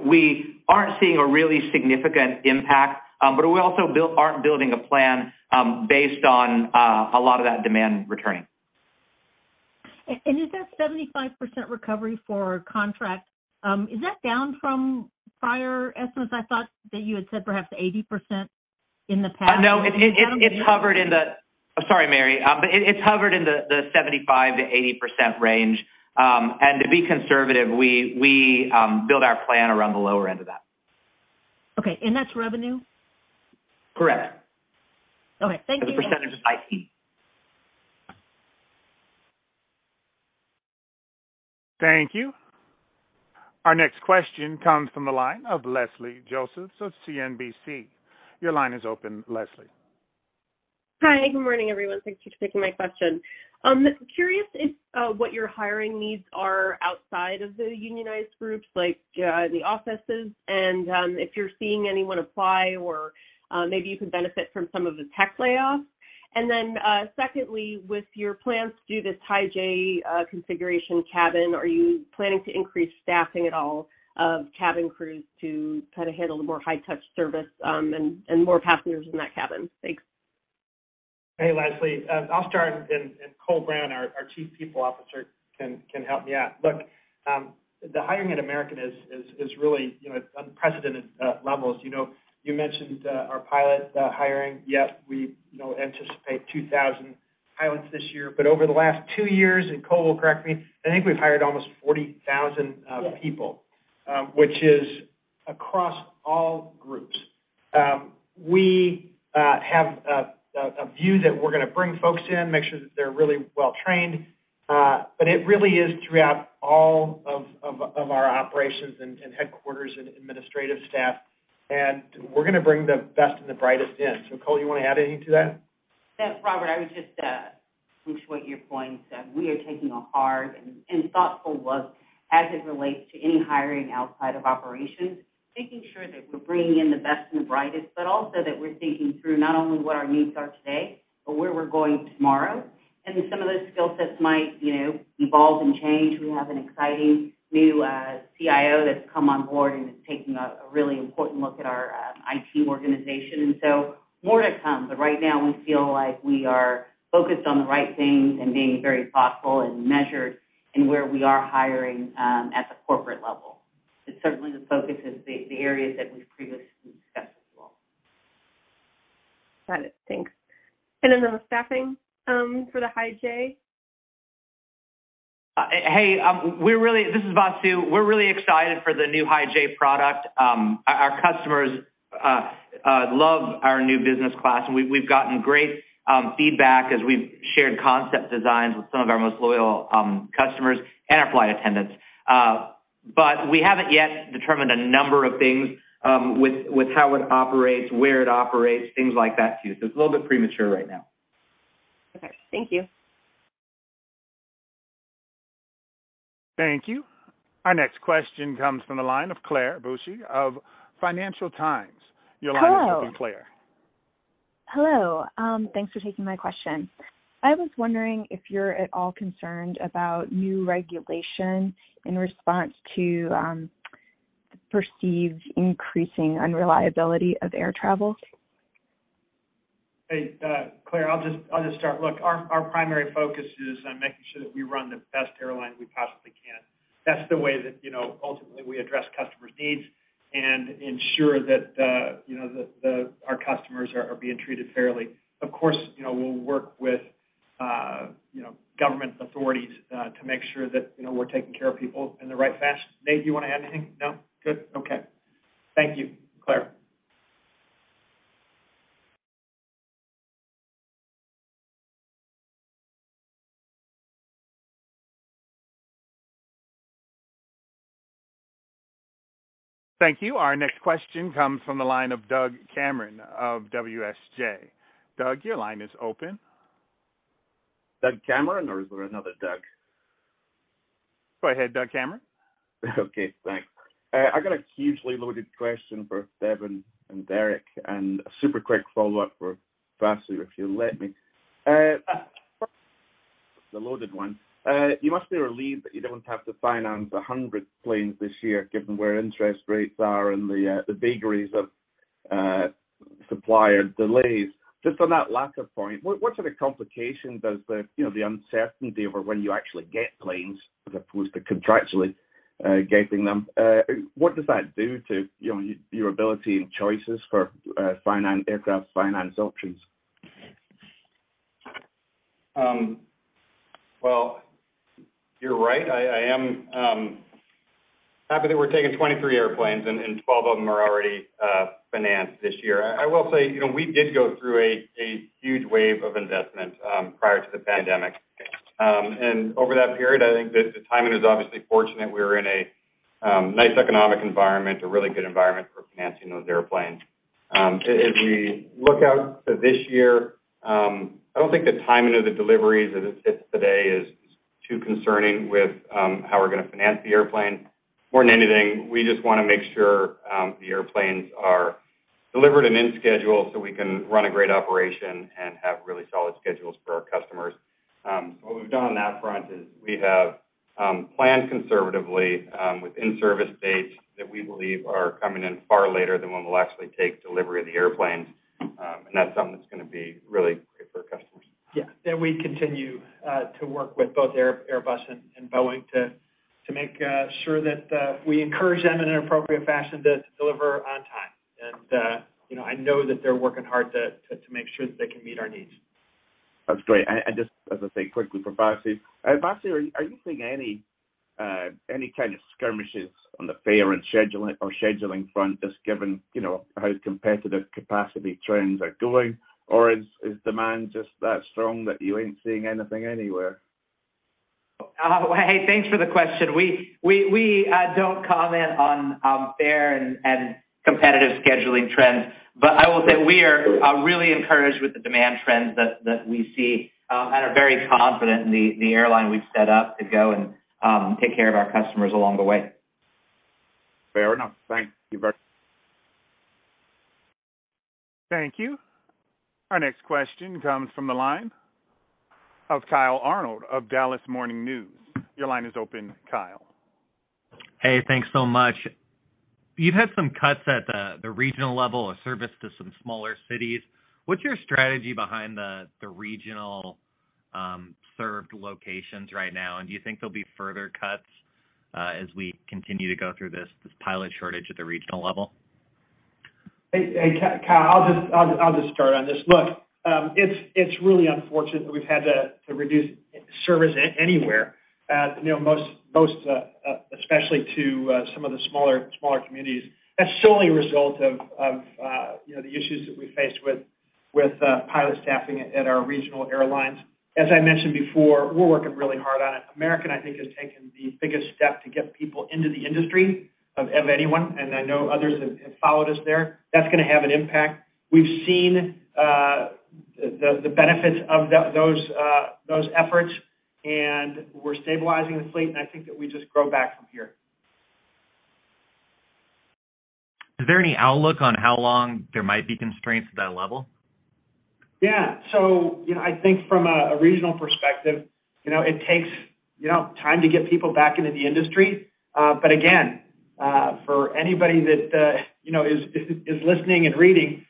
We aren't seeing a really significant impact, but we also aren't building a plan, based on a lot of that demand returning. Is that 75% recovery for contract, is that down from prior estimates? I thought that you had said perhaps 80% in the past. No, it's hovered in the... Sorry, Mary. It's hovered in the 75%-80% range. To be conservative, we build our plan around the lower end of that. Okay, that's revenue? Correct. Okay. Thank you. As a % of IT. Thank you. Our next question comes from the line of Leslie Josephs of CNBC. Your line is open, Leslie. Hi. Good morning, everyone. Thanks for taking my question. Curious if what your hiring needs are outside of the unionized groups, like the offices and if you're seeing anyone apply or maybe you can benefit from some of the tech layoffs. Secondly, with your plans to do this high J configuration cabin, are you planning to increase staffing at all of cabin crews to kind of handle the more high-touch service and more passengers in that cabin? Thanks. Hey, Leslie. I'll start, and Mecole Brown, our Chief People Officer can help me out. Look, the hiring at American is really, you know, at unprecedented levels. You know, you mentioned our pilot hiring. Yes, we, you know, anticipate 2,000 pilots this year. Over the last 2 years, Cole will correct me, I think we've hired almost 40,000 people. Yes. Which is across all groups. We have a view that we're gonna bring folks in, make sure that they're really well trained, but it really is throughout all of our operations and headquarters and administrative staff. We're gonna bring the best and the brightest in. Cole, you wanna add anything to that? Robert, I would just push what your point said. We are taking a hard and thoughtful look as it relates to any hiring outside of operations, making sure that we're bringing in the best and the brightest, but also that we're thinking through not only what our needs are today, but where we're going tomorrow. Some of those skill sets might, you know, evolve and change. We have an exciting new CIO that's come on board and is taking a really important look at our IT organization. More to come. Right now we feel like we are focused on the right things and being very thoughtful and measured in where we are hiring at the corporate level. It's certainly the focus of the areas that we've previously discussed with you all. Got it. Thanks. On staffing, for the Hijj. Hey, this is Vasu. We're really excited for the new high J product. Our customers love our new business class, and we've gotten great feedback as we've shared concept designs with some of our most loyal customers and our flight attendants. We haven't yet determined a number of things with how it operates, where it operates, things like that too. It's a little bit premature right now. Okay. Thank you. Thank you. Our next question comes from the line of Claire Bushey of Financial Times. Your line is open, Claire. Hello. Hello. Thanks for taking my question. I was wondering if you're at all concerned about new regulation in response to perceived increasing unreliability of air travel. Hey, Claire, I'll just start. Look, our primary focus is on making sure that we run the best airline we possibly can. That's the way that, you know, ultimately we address customers' needs and ensure that, you know, our customers are being treated fairly. Of course, you know, we'll work with, you know, government authorities to make sure that, you know, we're taking care of people in the right fashion. Nate, do you wanna add anything? No? Good. Okay. Thank you, Claire. Thank you. Our next question comes from the line of Doug Cameron of WSJ. Doug, your line is open. Doug Cameron, or is there another Doug? Go ahead, Doug Cameron. Okay. Thanks. I got a hugely loaded question for Devon and Derek, and a super quick follow-up for Vasu, if you'll let me. The loaded one. You must be relieved that you don't have to finance 100 planes this year, given where interest rates are and the vagaries of supplier delays. Just on that latter point, what sort of complication does the, you know, the uncertainty over when you actually get planes, as opposed to contractually getting them, what does that do to, you know, your ability and choices for aircraft finance options? Well, you're right. I am happy that we're taking 23 airplanes and 12 of them are already financed this year. I will say, you know, we did go through a huge wave of investment prior to the pandemic. Over that period, I think that the timing is obviously fortunate. We were in a nice economic environment, a really good environment for financing those airplanes. As we look out to this year, I don't think the timing of the deliveries as it sits today is too concerning with how we're gonna finance the airplane. More than anything, we just wanna make sure the airplanes are delivered and in schedule so we can run a great operation and have really solid schedules for our customers. What we've done on that front is we have planned conservatively with in-service dates that we believe are coming in far later than when we'll actually take delivery of the airplanes. That's something that's gonna be really great for our customers. Yeah. We continue to work with both Airbus and Boeing to make sure that we encourage them in an appropriate fashion to deliver on time. You know, I know that they're working hard to make sure that they can meet our needs. That's great. Just as I say quickly for Vasu. Vasu, are you seeing any kind of skirmishes on the fare and scheduling or scheduling front, just given, how competitive capacity trends are going? Is demand just that strong that you ain't seeing anything anywhere? Hey, thanks for the question. We don't comment on fare and competitive scheduling trends. I will say we are really encouraged with the demand trends that we see and are very confident in the airline we've set up to go and take care of our customers along the way. Fair enough. Thank you. Thank you. Our next question comes from the line of Kyle Arnold of Dallas Morning News. Your line is open, Kyle. Hey. Thanks so much. You've had some cuts at the regional level of service to some smaller cities. What's your strategy behind the regional served locations right now? Do you think there'll be further cuts as we continue to go through this pilot shortage at the regional level? Hey, hey, Kyle. I'll just start on this. Look, it's really unfortunate that we've had to reduce service anywhere. You know, most, especially to some of the smaller communities. That's solely a result of, you know, the issues that we faced with pilot staffing at our regional airlines. As I mentioned before, we're working really hard on it. American, I think, has taken the biggest step to get people into the industry of anyone, and I know others have followed us there. That's gonna have an impact. We've seen the benefits of those efforts, and we're stabilizing the fleet, and I think that we just grow back from here. Is there any outlook on how long there might be constraints at that level? You know, I think from a regional perspective, you know, it takes, you know, time to get people back into the industry. But again, for anybody that, you know, is listening and reading,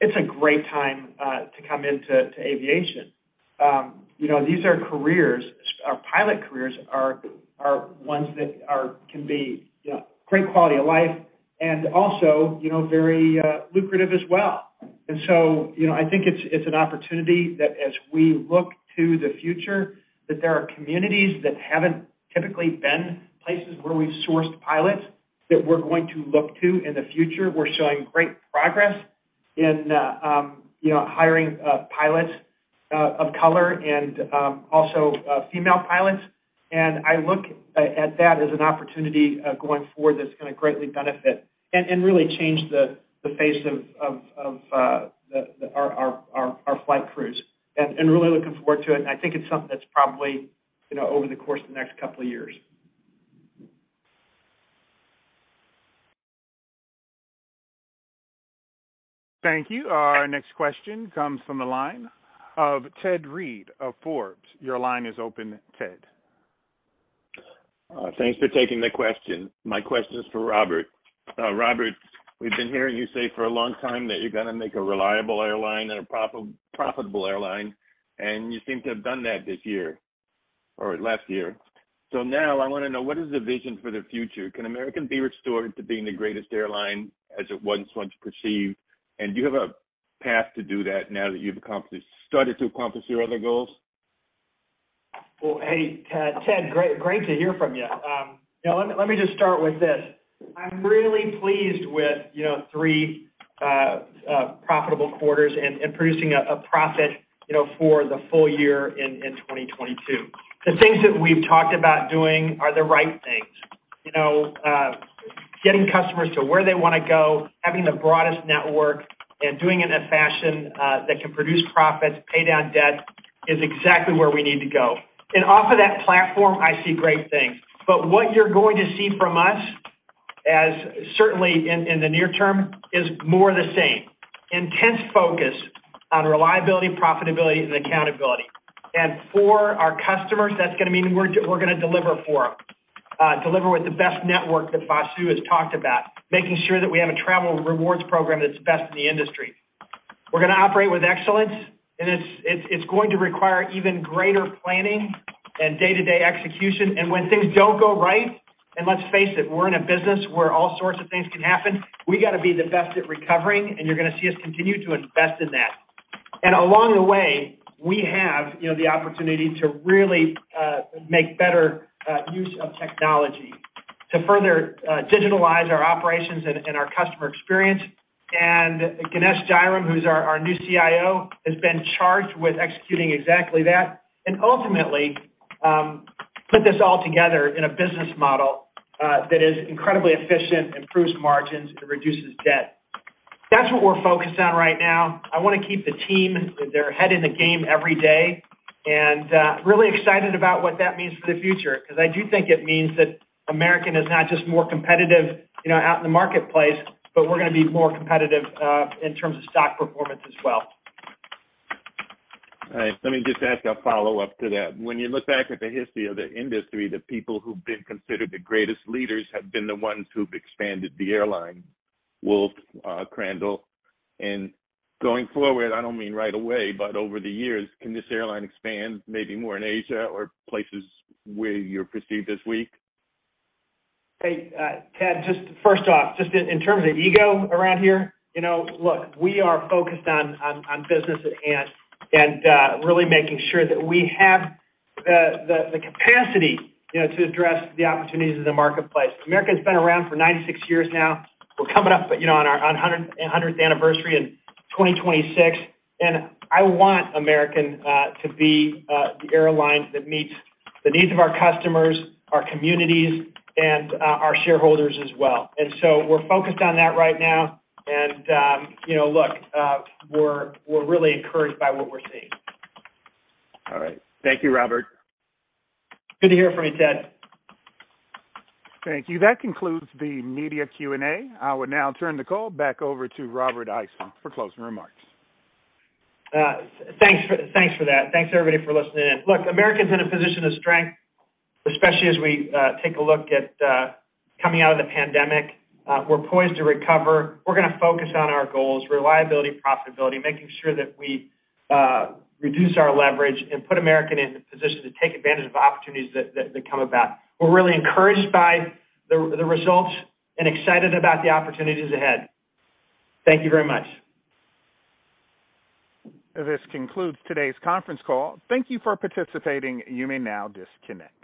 it's a great time to come into aviation. You know, these are careers, or pilot careers are ones that can be, you know, great quality of life and also, you know, very lucrative as well. You know, I think it's an opportunity that as we look to the future, that there are communities that haven't typically been places where we've sourced pilots that we're going to look to in the future. We're showing great progress in, you know, hiring pilots of color and also female pilots. I look at that as an opportunity going forward that's gonna greatly benefit and really change the face of our flight crews. Really looking forward to it. I think it's something that's probably, you know, over the course of the next 2 years. Thank you. Our next question comes from the line of Ted Reed of Forbes. Your line is open, Ted. Thanks for taking the question. My question is for Robert. Robert, we've been hearing you say for a long time that you're gonna make a reliable airline and a profit-profitable airline, and you seem to have done that this year or last year. Now I wanna know, what is the vision for the future? Can American be restored to being the greatest airline as it once was perceived? Do you have a path to do that now that you've started to accomplish your other goals? Well, hey, Ted, great to hear from you. you know, let me just start with this. I'm really pleased with, you know, three profitable quarters and producing a profit, you know, for the full year in 2022. The things that we've talked about doing are the right things. you know, getting customers to where they wanna go, having the broadest network and doing it in a fashion that can produce profits, pay down debt is exactly where we need to go. Off of that platform, I see great things. What you're going to see from us, as certainly in the near term, is more the same. Intense focus on reliability, profitability and accountability. For our customers, that's gonna mean we're gonna deliver for 'em. Deliver with the best network that Vasu has talked about, making sure that we have a travel rewards program that's best in the industry. We're gonna operate with excellence, it's going to require even greater planning and day-to-day execution. When things don't go right, and let's face it, we're in a business where all sorts of things can happen, we gotta be the best at recovering, and you're gonna see us continue to invest in that. Along the way, we have, you know, the opportunity to really make better use of technology to further digitalize our operations and our customer experience. Ganesh Jayaram, who's our new CIO, has been charged with executing exactly that and ultimately put this all together in a business model that is incredibly efficient, improves margins and reduces debt. That's what we're focused on right now. I wanna keep the team with their head in the game every day and really excited about what that means for the future, 'cause I do think it means that American is not just more competitive, you know, out in the marketplace, but we're gonna be more competitive, in terms of stock performance as well. All right. Let me just ask a follow-up to that. When you look back at the history of the industry, the people who've been considered the greatest leaders have been the ones who've expanded the airline, Wolf, Crandall. Going forward, I don't mean right away, but over the years, can this airline expand maybe more in Asia or places where you're perceived as weak? Hey, Ted, just first off, just in terms of ego around here, you know, look, we are focused on business and really making sure that we have the capacity, you know, to address the opportunities in the marketplace. American's been around for 96 years now. We're coming up, you know, on our 100th anniversary in 2026, and I want American to be the airline that meets the needs of our customers, our communities and our shareholders as well. We're focused on that right now. you know, look, we're really encouraged by what we're seeing. All right. Thank you, Robert. Good to hear from you, Ted. Thank you. That concludes the media Q&A. I would now turn the call back over to Robert Isom for closing remarks. Thanks for, thanks for that. Thanks, everybody, for listening in. Look, American's in a position of strength, especially as we take a look at coming out of the pandemic. We're poised to recover. We're gonna focus on our goals, reliability, profitability, making sure that we reduce our leverage and put American in the position to take AAdvantage of opportunities that come about. We're really encouraged by the results and excited about the opportunities ahead. Thank you very much. This concludes today's conference call. Thank you for participating. You may now disconnect.